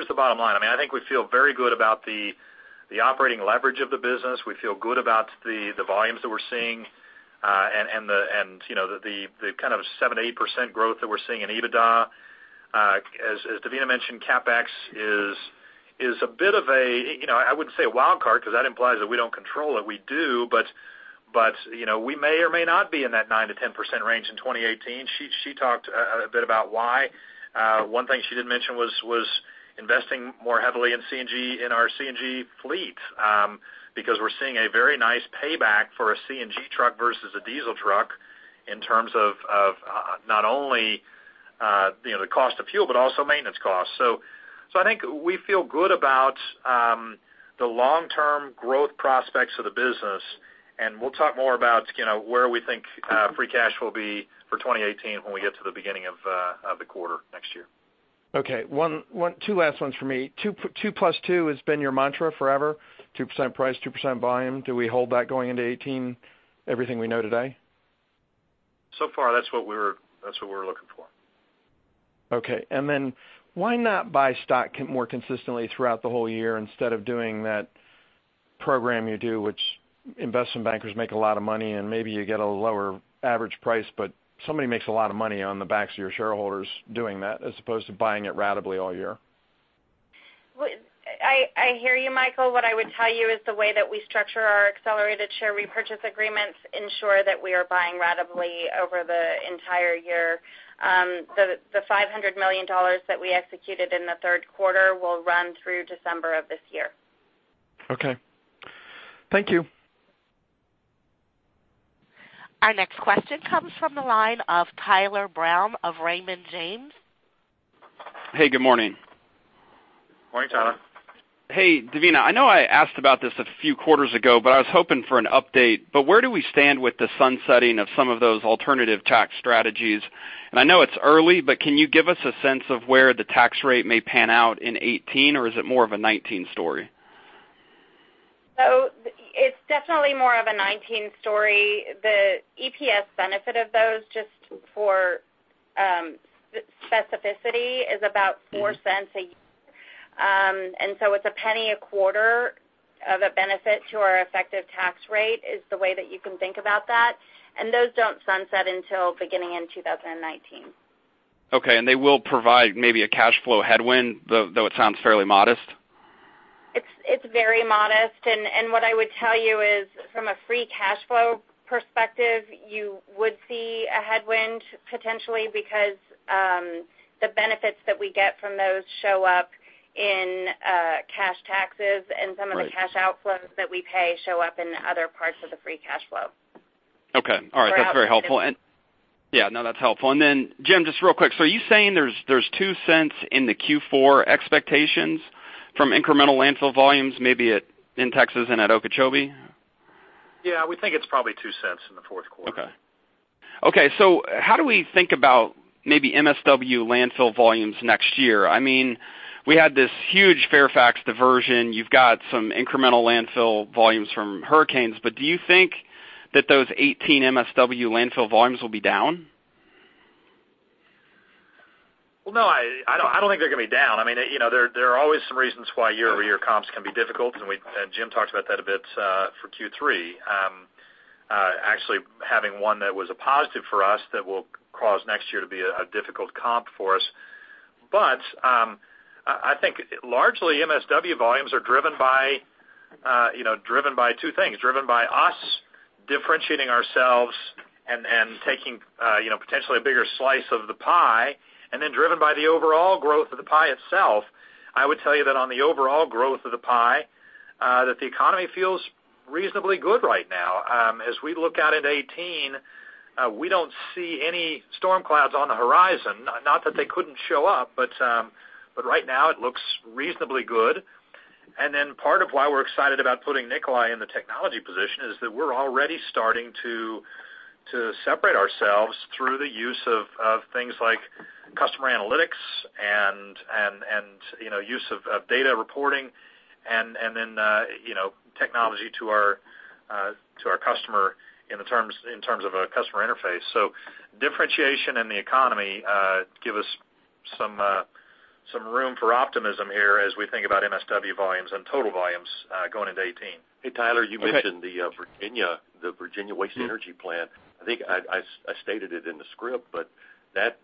the bottom line. I think we feel very good about the operating leverage of the business. We feel good about the volumes that we're seeing, and the kind of 7%-8% growth that we're seeing in EBITDA. As Devina mentioned, CapEx is a bit of a, I wouldn't say a wild card because that implies that we don't control it. We do, but we may or may not be in that 9%-10% range in 2018. She talked a bit about why. One thing she didn't mention was investing more heavily in our CNG fleet because we're seeing a very nice payback for a CNG truck versus a diesel truck in terms of not only the cost of fuel but also maintenance costs. I think we feel good about the long-term growth prospects of the business, and we'll talk more about where we think free cash will be for 2018 when we get to the beginning of the quarter next year. Okay. Two last ones for me. Two plus two has been your mantra forever, 2% price, 2% volume. Do we hold that going into 2018, everything we know today? Far, that's what we're looking for. Okay, why not buy stock more consistently throughout the whole year instead of doing that program you do, which investment bankers make a lot of money, maybe you get a lower average price, but somebody makes a lot of money on the backs of your shareholders doing that as opposed to buying it ratably all year. I hear you, Michael. What I would tell you is the way that we structure our accelerated share repurchase agreements ensure that we are buying ratably over the entire year. The $500 million that we executed in the third quarter will run through December of this year. Okay. Thank you. Our next question comes from the line of Tyler Brown of Raymond James. Hey, good morning. Morning, Tyler. Hey, Devina, I know I asked about this a few quarters ago, I was hoping for an update. Where do we stand with the sunsetting of some of those alternative tax strategies? I know it's early, can you give us a sense of where the tax rate may pan out in 2018 or is it more of a 2019 story? It's definitely more of a 2019 story. The EPS benefit of those just for specificity is about $0.04 a year. It's a $0.01 a quarter of a benefit to our effective tax rate, is the way that you can think about that. Those don't sunset until beginning in 2019. Okay, they will provide maybe a cash flow headwind, though it sounds fairly modest? It's very modest. What I would tell you is from a free cash flow perspective, you would see a headwind potentially because the benefits that we get from those show up in cash taxes- Right Some of the cash outflows that we pay show up in other parts of the free cash flow. Okay. All right. That's very helpful. Then, Jim, just real quick. Are you saying there's $0.02 in the Q4 expectations from incremental landfill volumes, maybe in Texas and at Okeechobee? Yeah, we think it's probably $0.02 in the fourth quarter. Okay. How do we think about maybe MSW landfill volumes next year? We had this huge Fairfax diversion. You've got some incremental landfill volumes from hurricanes, do you think that those 2018 MSW landfill volumes will be down? No, I don't think they're going to be down. There are always some reasons why year-over-year comps can be difficult. Jim talked about that a bit for Q3. Actually, having one that was a positive for us that will cause next year to be a difficult comp for us. I think largely MSW volumes are driven by two things. Driven by us differentiating ourselves and taking potentially a bigger slice of the pie, driven by the overall growth of the pie itself. I would tell you that on the overall growth of the pie, that the economy feels reasonably good right now. As we look out at 2018, we don't see any storm clouds on the horizon, not that they couldn't show up, right now it looks reasonably good. Part of why we're excited about putting Nikolaj in the technology position is that we're already starting to separate ourselves through the use of things like customer analytics and use of data reporting, technology to our customer in terms of a customer interface. Differentiation in the economy give us some room for optimism here as we think about MSW volumes and total volumes going into 2018. Hey, Tyler, you mentioned the Virginia Waste-to-Energy Plant. I think I stated it in the script,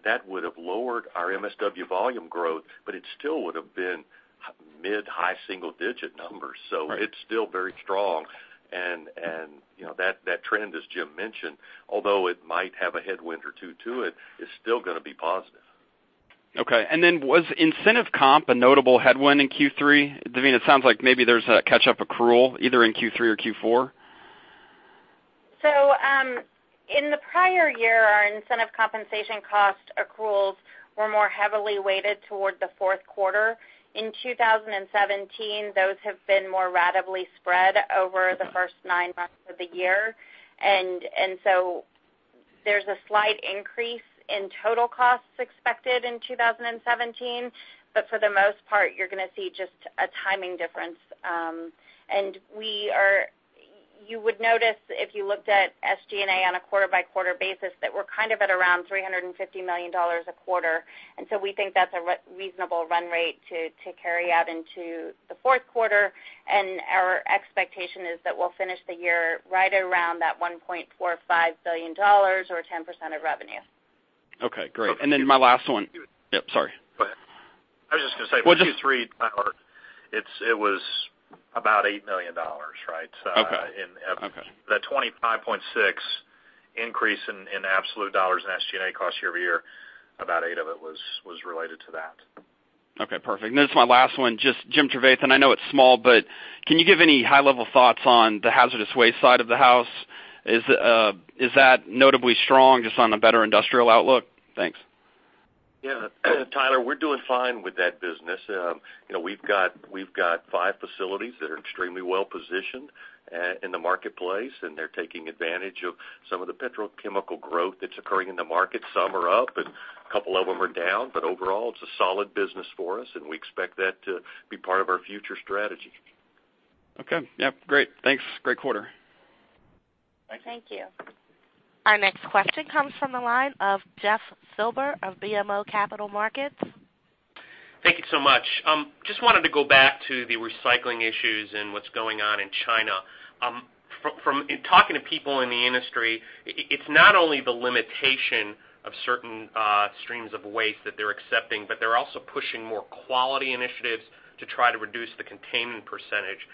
that would've lowered our MSW volume growth, it still would've been mid-high single-digit numbers. Right. It's still very strong, and that trend, as Jim mentioned, although it might have a headwind or two to it, is still going to be positive. Okay. Was incentive comp a notable headwind in Q3? I mean, it sounds like maybe there's a catch-up accrual either in Q3 or Q4. In the prior year, our incentive compensation cost accruals were more heavily weighted toward the fourth quarter. In 2017, those have been more ratably spread over the first nine months of the year. There's a slight increase in total costs expected in 2017. For the most part, you're going to see just a timing difference. You would notice if you looked at SG&A on a quarter-by-quarter basis, that we're kind of at around $350 million a quarter. We think that's a reasonable run rate to carry out into the fourth quarter, and our expectation is that we'll finish the year right around that $1.45 billion or 10% of revenue. Okay, great. My last one Yep, sorry. Go ahead. I was just going to say Q3, Tyler, it was about $8 million, right? Okay. That 25.6 increase in absolute dollars in SG&A cost year-over-year, about $8 of it was related to that. Okay, perfect. This is my last one. Just Jim Trevathan, and I know it's small, but can you give any high-level thoughts on the hazardous waste side of the house? Is that notably strong just on a better industrial outlook? Thanks. Yeah. Tyler, we're doing fine with that business. We've got five facilities that are extremely well-positioned in the marketplace, and they're taking advantage of some of the petrochemical growth that's occurring in the market. Some are up and a couple of them are down, but overall, it's a solid business for us, and we expect that to be part of our future strategy. Okay. Yep, great. Thanks. Great quarter. Thank you. Thank you. Our next question comes from the line of Jeff Silber of BMO Capital Markets. Thank you so much. Just wanted to go back to the recycling issues and what's going on in China. From talking to people in the industry, it's not only the limitation of certain streams of waste that they're accepting, but they're also pushing more quality initiatives to try to reduce the containment percentage.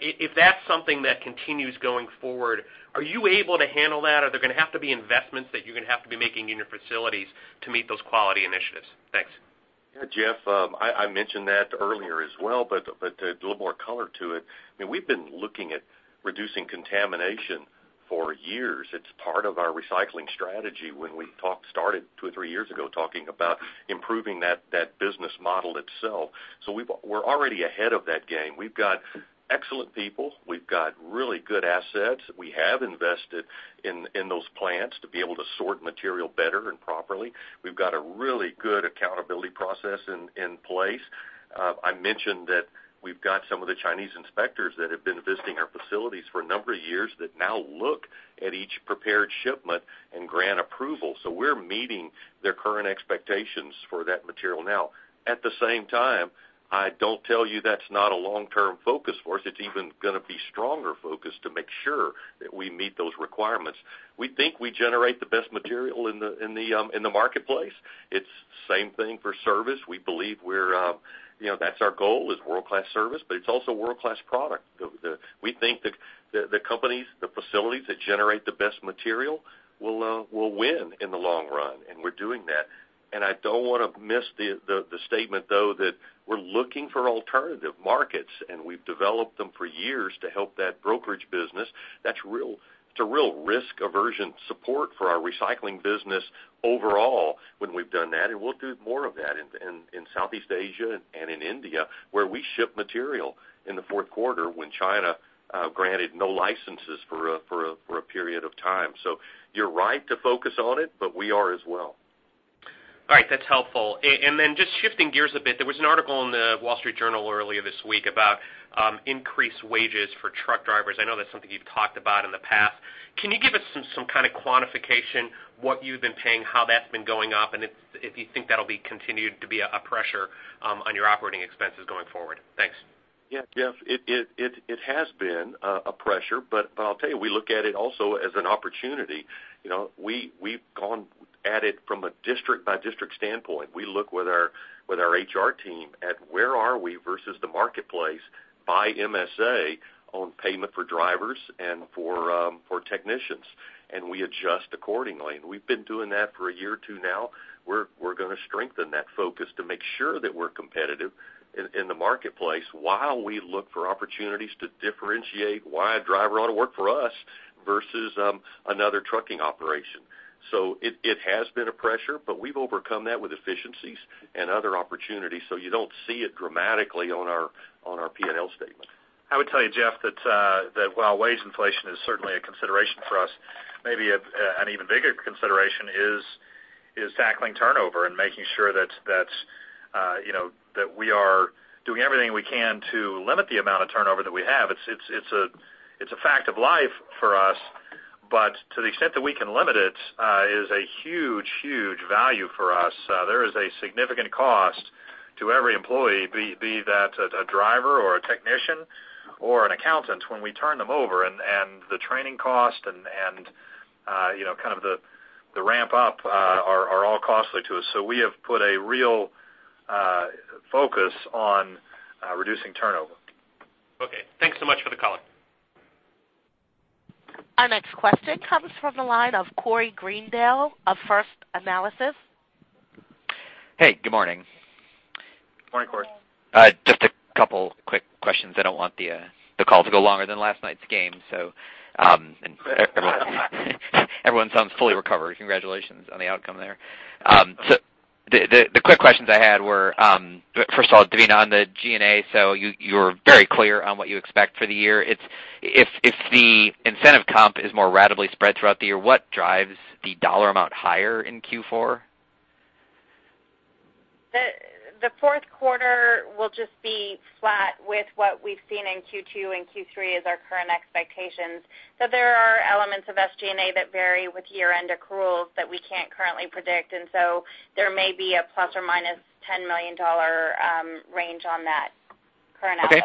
If that's something that continues going forward, are you able to handle that? Are there going to have to be investments that you're going to have to be making in your facilities to meet those quality initiatives? Thanks. Jeff, I mentioned that earlier as well, to add a little more color to it, we've been looking at reducing contamination for years. It's part of our recycling strategy when we started two or three years ago talking about improving that business model itself. We're already ahead of that game. We've got excellent people. We've got really good assets. We have invested in those plants to be able to sort material better and properly. We've got a really good account- process in place. I mentioned that we've got some of the Chinese inspectors that have been visiting our facilities for a number of years that now look at each prepared shipment and grant approval. We're meeting their current expectations for that material now. At the same time, I don't tell you that's not a long-term focus for us. It's even going to be stronger focus to make sure that we meet those requirements. We think we generate the best material in the marketplace. It's the same thing for service. That's our goal, is world-class service, but it's also world-class product. We think the facilities that generate the best material will win in the long run, and we're doing that. I don't want to miss the statement, though, that we're looking for alternative markets, and we've developed them for years to help that brokerage business. That's a real risk aversion support for our recycling business overall when we've done that, and we'll do more of that in Southeast Asia and in India, where we ship material in the fourth quarter when China granted no licenses for a period of time. You're right to focus on it, but we are as well. All right. That's helpful. Just shifting gears a bit, there was an article in The Wall Street Journal earlier this week about increased wages for truck drivers. I know that's something you've talked about in the past. Can you give us some kind of quantification, what you've been paying, how that's been going up, and if you think that'll be continued to be a pressure on your operating expenses going forward? Thanks. Yeah. Jeff, it has been a pressure, but I'll tell you, we look at it also as an opportunity. We've gone at it from a district-by-district standpoint. We look with our HR team at where are we versus the marketplace by MSA on payment for drivers and for technicians, and we adjust accordingly. We've been doing that for a year or 2 now. We're going to strengthen that focus to make sure that we're competitive in the marketplace while we look for opportunities to differentiate why a driver ought to work for us versus another trucking operation. It has been a pressure, but we've overcome that with efficiencies and other opportunities, so you don't see it dramatically on our P&L statement. I would tell you, Jeff, that while wage inflation is certainly a consideration for us, maybe an even bigger consideration is tackling turnover and making sure that we are doing everything we can to limit the amount of turnover that we have. It's a fact of life for us, but to the extent that we can limit it is a huge value for us. There is a significant cost to every employee, be that a driver or a technician or an accountant, when we turn them over, and the training cost and kind of the ramp-up are all costly to us. We have put a real focus on reducing turnover. Okay. Thanks so much for the color. Our next question comes from the line of Corey Greendale of First Analysis. Hey, good morning. Morning, Corey. Just a couple quick questions. I don't want the call to go longer than last night's game, so everyone sounds fully recovered. Congratulations on the outcome there. The quick questions I had were, first of all, Devina, on the G&A, so you were very clear on what you expect for the year. If the incentive comp is more ratably spread throughout the year, what drives the dollar amount higher in Q4? The fourth quarter will just be flat with what we've seen in Q2 and Q3 as our current expectations. There are elements of SG&A that vary with year-end accruals that we can't currently predict, there may be a plus or minus $10 million range on that current outlook.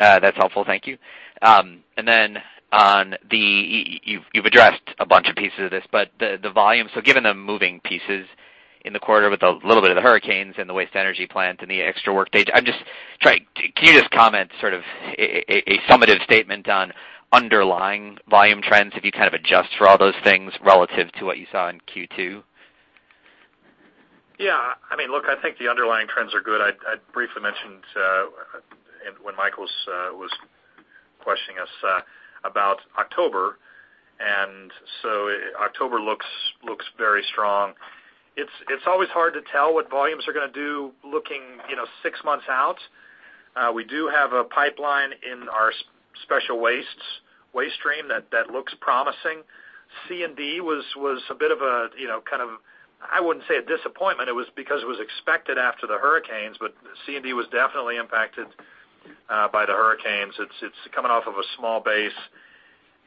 Okay. That's helpful. Thank you. You've addressed a bunch of pieces of this, but the volume. Given the moving pieces in the quarter with a little bit of the hurricanes and the waste energy plant and the extra work days, can you just comment sort of a summative statement on underlying volume trends if you kind of adjust for all those things relative to what you saw in Q2? Yeah. Look, I think the underlying trends are good. I briefly mentioned when Michael was questioning us about October looks very strong. It's always hard to tell what volumes are going to do looking six months out. We do have a pipeline in our special waste stream that looks promising. C&D was a bit of a, I wouldn't say a disappointment. It was because it was expected after the hurricanes, but C&D was definitely impacted by the hurricanes. It's coming off of a small base,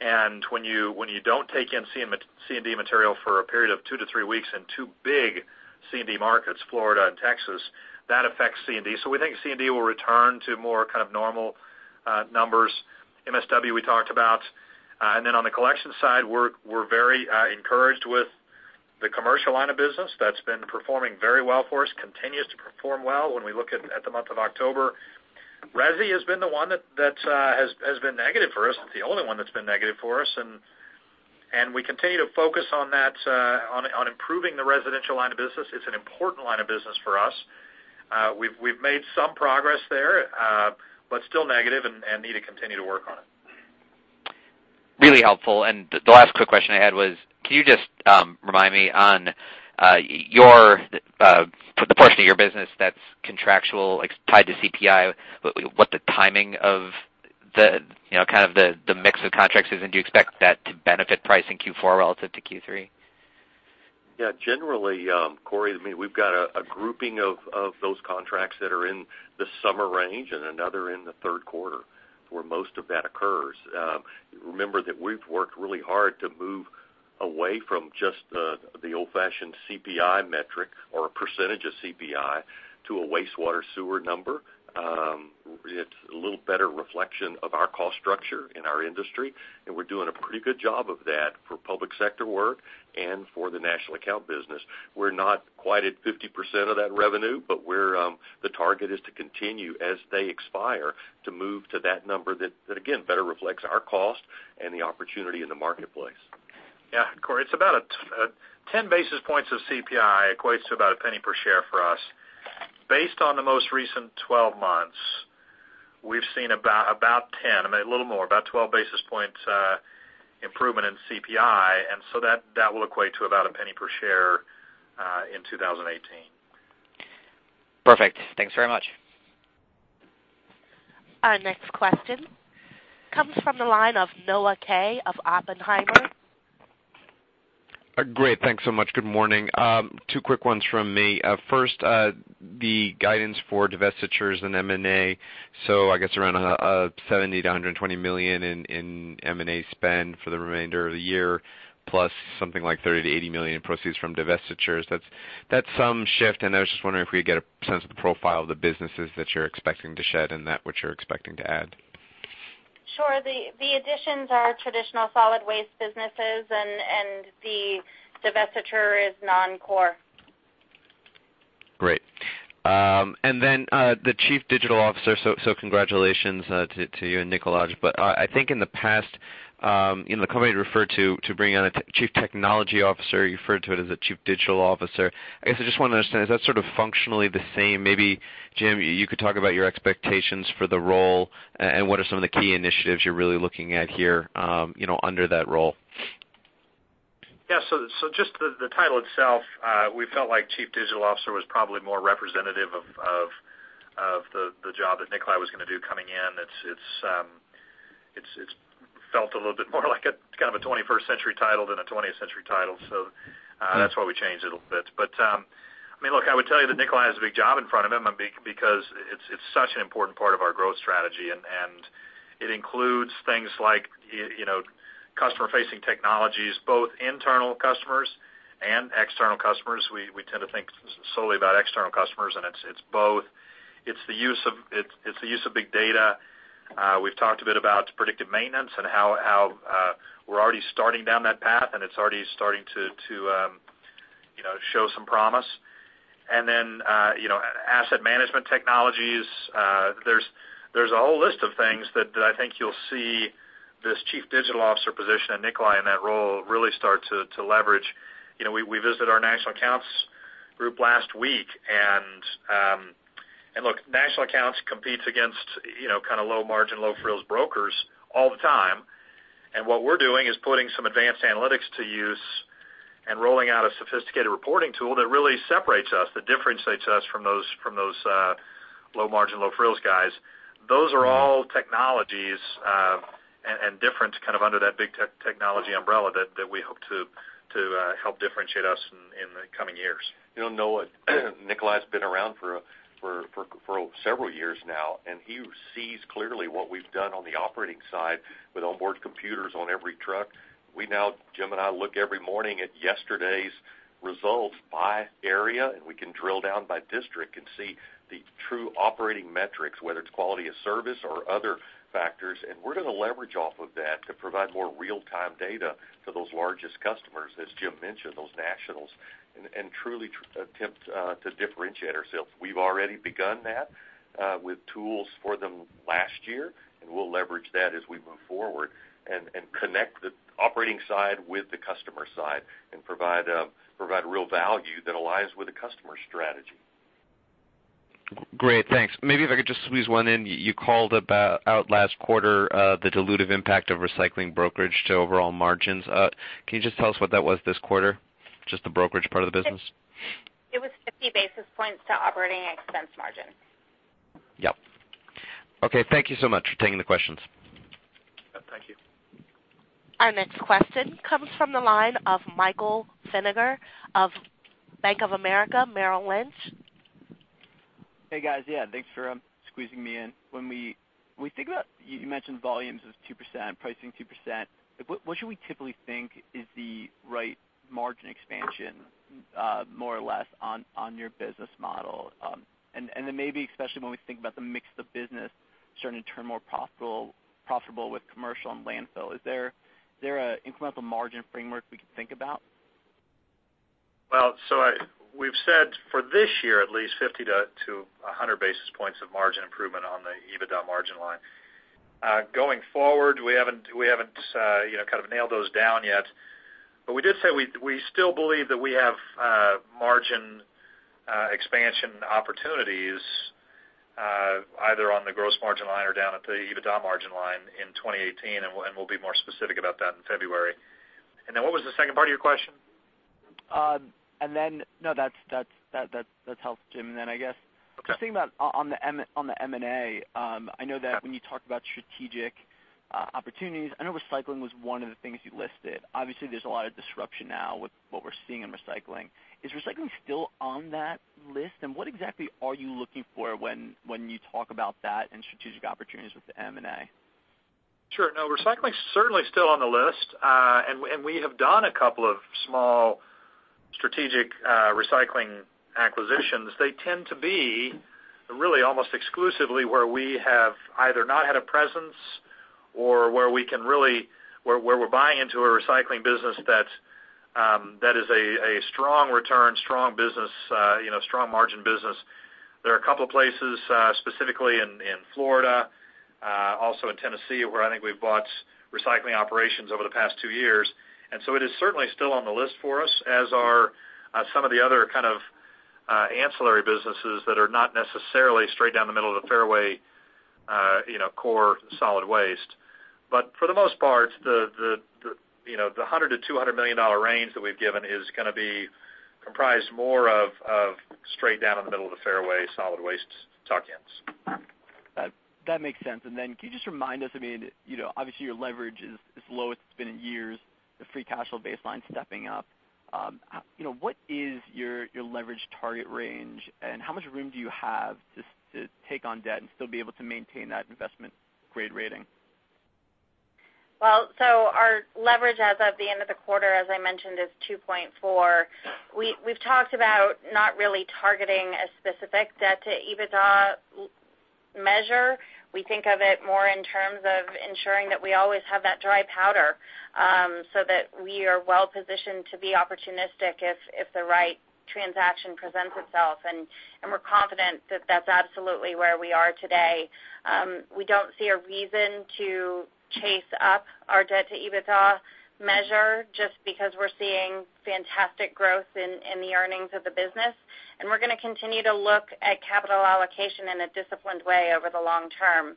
and when you don't take in C&D material for a period of two to three weeks in two big C&D markets, Florida and Texas, that affects C&D. We think C&D will return to more kind of normal numbers. MSW, we talked about. On the collection side, we're very encouraged with the commercial line of business. That's been performing very well for us, continues to perform well when we look at the month of October. Resi has been the one that has been negative for us. It's the only one that's been negative for us, we continue to focus on improving the residential line of business. It's an important line of business for us. We've made some progress there, still negative and need to continue to work on it. Really helpful. The last quick question I had was, can you just remind me on the portion of your business that's contractual, tied to CPI, what the timing of the kind of the mix of contracts is, and do you expect that to benefit pricing Q4 relative to Q3? Yeah. Generally, Corey, we've got a grouping of those contracts that are in the summer range and another in the third quarter where most of that occurs. Remember that we've worked really hard to move away from just the old-fashioned CPI metric or a percentage of CPI to a wastewater sewer number. It's a little better reflection of our cost structure in our industry, and we're doing a pretty good job of that for public sector work and for the national account business. We're not quite at 50% of that revenue, but the target is to continue as they expire to move to that number that, again, better reflects our cost and the opportunity in the marketplace. Yeah, Corey, it's about 10 basis points of CPI equates to about a penny per share for us. Based on the most recent 12 months, we've seen about 10, a little more, about 12 basis points improvement in CPI, that will equate to about a penny per share in 2018. Perfect. Thanks very much. Our next question comes from the line of Noah Kaye of Oppenheimer. Great. Thanks so much. Good morning. Two quick ones from me. First, the guidance for divestitures and M&A. I guess around $70 million-$120 million in M&A spend for the remainder of the year, plus something like $30 million-$80 million in proceeds from divestitures. That's some shift, I was just wondering if we could get a sense of the profile of the businesses that you're expecting to shed and that which you're expecting to add. Sure. The additions are traditional solid waste businesses, the divestiture is non-core. Great. The Chief Digital Officer, congratulations to you and Nikolai. I think in the past, the company referred to bringing on a Chief Technology Officer, you referred to it as a Chief Digital Officer. I guess I just want to understand, is that sort of functionally the same? Maybe, Jim, you could talk about your expectations for the role and what are some of the key initiatives you're really looking at here under that role. Just the title itself, we felt like Chief Digital Officer was probably more representative of the job that Nikolaj was going to do coming in. It's felt a little bit more like a kind of a 21st-century title than a 20th-century title. That's why we changed it a little bit. Look, I would tell you that Nikolaj has a big job in front of him because it's such an important part of our growth strategy, and it includes things like customer-facing technologies, both internal customers and external customers. We tend to think solely about external customers, and it's both. It's the use of big data. We've talked a bit about predictive maintenance and how we're already starting down that path, and it's already starting to show some promise. Then asset management technologies. There's a whole list of things that I think you'll see this Chief Digital Officer position and Nikolaj in that role really start to leverage. We visited our national accounts group last week. Look, national accounts competes against kind of low margin, low frills brokers all the time. What we're doing is putting some advanced analytics to use and rolling out a sophisticated reporting tool that really separates us, that differentiates us from those low margin, low frills guys. Those are all technologies, different, kind of under that big technology umbrella that we hope to help differentiate us in the coming years. Noah, Nikolaj's been around for several years now. He sees clearly what we've done on the operating side with onboard computers on every truck. We now, Jim and I look every morning at yesterday's results by area, and we can drill down by district and see the true operating metrics, whether it's quality of service or other factors. We're going to leverage off of that to provide more real-time data to those largest customers, as Jim mentioned, those nationals. Truly attempt to differentiate ourselves. We've already begun that with tools for them last year. We'll leverage that as we move forward and connect the operating side with the customer side and provide real value that aligns with the customer strategy. Great. Thanks. Maybe if I could just squeeze one in. You called out last quarter the dilutive impact of recycling brokerage to overall margins. Can you just tell us what that was this quarter, just the brokerage part of the business? It was 50 basis points to operating expense margin. Yep. Okay, thank you so much for taking the questions. Thank you. Our next question comes from the line of Michael Feniger of Bank of America Merrill Lynch. Hey, guys. Yeah, thanks for squeezing me in. When we think about, you mentioned volumes was 2%, pricing 2%. What should we typically think is the right margin expansion, more or less, on your business model? Maybe especially when we think about the mix of business starting to turn more profitable with commercial and landfill, is there an incremental margin framework we can think about? We've said for this year at least 50 to 100 basis points of margin improvement on the EBITDA margin line. Going forward, we haven't kind of nailed those down yet, but we did say we still believe that we have margin expansion opportunities, either on the gross margin line or down at the EBITDA margin line in 2018, we'll be more specific about that in February. What was the second part of your question? No, that helps, Jim. Okay I'm just thinking about on the M&A, I know that when you talk about strategic opportunities, I know recycling was one of the things you listed. Obviously, there's a lot of disruption now with what we're seeing in recycling. Is recycling still on that list? What exactly are you looking for when you talk about that and strategic opportunities with the M&A? Sure. No, recycling's certainly still on the list. We have done a couple of small strategic recycling acquisitions. They tend to be really almost exclusively where we have either not had a presence or where we're buying into a recycling business that is a strong return, strong margin business. There are a couple of places, specifically in Florida, also in Tennessee, where I think we've bought recycling operations over the past two years. It is certainly still on the list for us, as are some of the other kind of ancillary businesses that are not necessarily straight down the middle of the fairway, core solid waste. For the most part, the $100 million-$200 million range that we've given is going to be comprised more of straight down in the middle of the fairway solid waste tuck-ins. That makes sense. Can you just remind us, obviously, your leverage is the lowest it's been in years, the free cash flow baseline stepping up. What is your leverage target range, and how much room do you have to take on debt and still be able to maintain that investment-grade rating? Our leverage as of the end of the quarter, as I mentioned, is 2.4. We've talked about not really targeting a specific debt-to-EBITDA measure. We think of it more in terms of ensuring that we always have that dry powder, so that we are well-positioned to be opportunistic if the right transaction presents itself. We're confident that that's absolutely where we are today. We don't see a reason to chase up our debt-to-EBITDA measure just because we're seeing fantastic growth in the earnings of the business. We're going to continue to look at capital allocation in a disciplined way over the long term.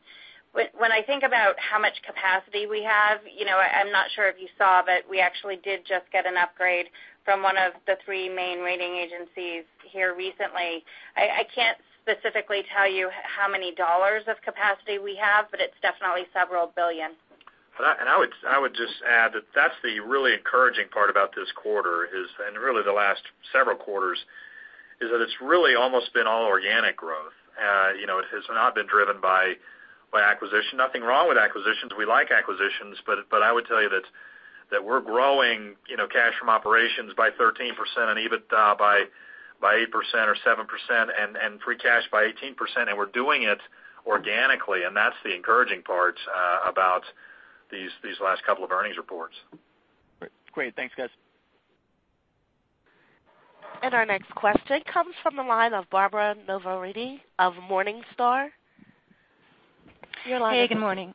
When I think about how much capacity we have, I'm not sure if you saw, but we actually did just get an upgrade from one of the three main rating agencies here recently. I can't specifically tell you how many dollars of capacity we have, but it's definitely several billion. I would just add that that's the really encouraging part about this quarter, and really the last several quarters, is that it's really almost been all organic growth. It has not been driven by acquisition. Nothing wrong with acquisitions. We like acquisitions, but I would tell you that we're growing cash from operations by 13% and EBITDA by 8% or 7% and free cash by 18%, and we're doing it organically. That's the encouraging part about these last couple of earnings reports. Great. Thanks, guys. Our next question comes from the line of Barbara Nieliwocki of Morningstar. Your line is open. Hey, good morning.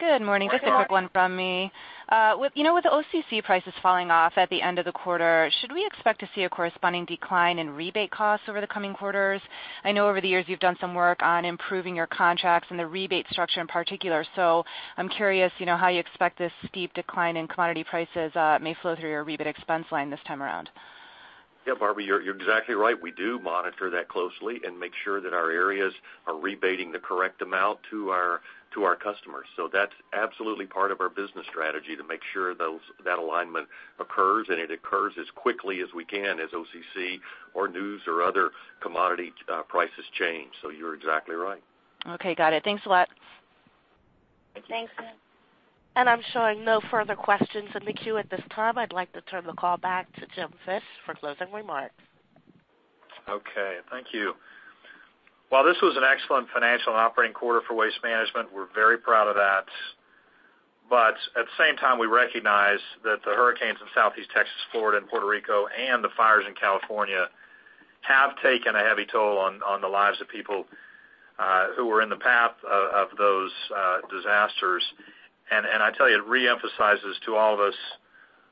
Good morning. Good morning. Just a quick one from me. With the OCC prices falling off at the end of the quarter, should we expect to see a corresponding decline in rebate costs over the coming quarters? I know over the years you've done some work on improving your contracts and the rebate structure in particular, so I'm curious how you expect this steep decline in commodity prices may flow through your rebate expense line this time around. Yeah, Barbara, you're exactly right. We do monitor that closely and make sure that our areas are rebating the correct amount to our customers. That's absolutely part of our business strategy to make sure that alignment occurs and it occurs as quickly as we can as OCC or news or other commodity prices change. You're exactly right. Okay, got it. Thanks a lot. Thanks. I'm showing no further questions in the queue at this time. I'd like to turn the call back to Jim Fish for closing remarks. Okay. Thank you. While this was an excellent financial and operating quarter for Waste Management, we're very proud of that. At the same time, we recognize that the hurricanes in Southeast Texas, Florida, and Puerto Rico and the fires in California have taken a heavy toll on the lives of people who were in the path of those disasters. I tell you, it reemphasizes to all of us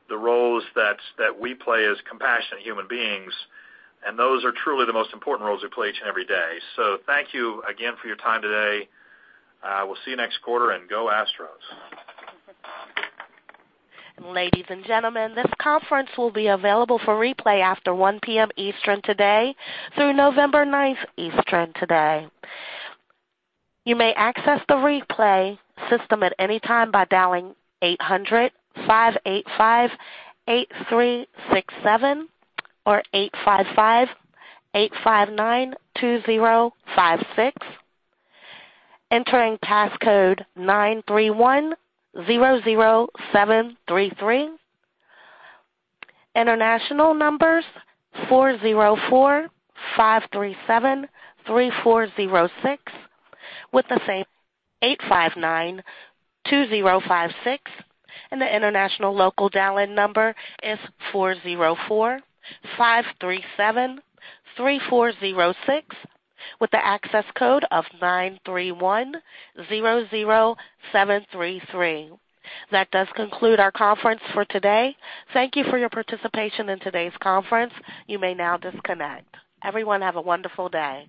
the roles that we play as compassionate human beings, and those are truly the most important roles we play each and every day. Thank you again for your time today. We'll see you next quarter. Go Astros. Ladies and gentlemen, this conference will be available for replay after 1:00 P.M. Eastern today through November 9th Eastern today. You may access the replay system at any time by dialing 800-585-8367 or 855-859-2056, entering passcode 93100733. International numbers, 404-537-3406 with the same 8592056 and the international local dial-in number is 404-537-3406 with the access code of 93100733. That does conclude our conference for today. Thank you for your participation in today's conference. You may now disconnect. Everyone have a wonderful day.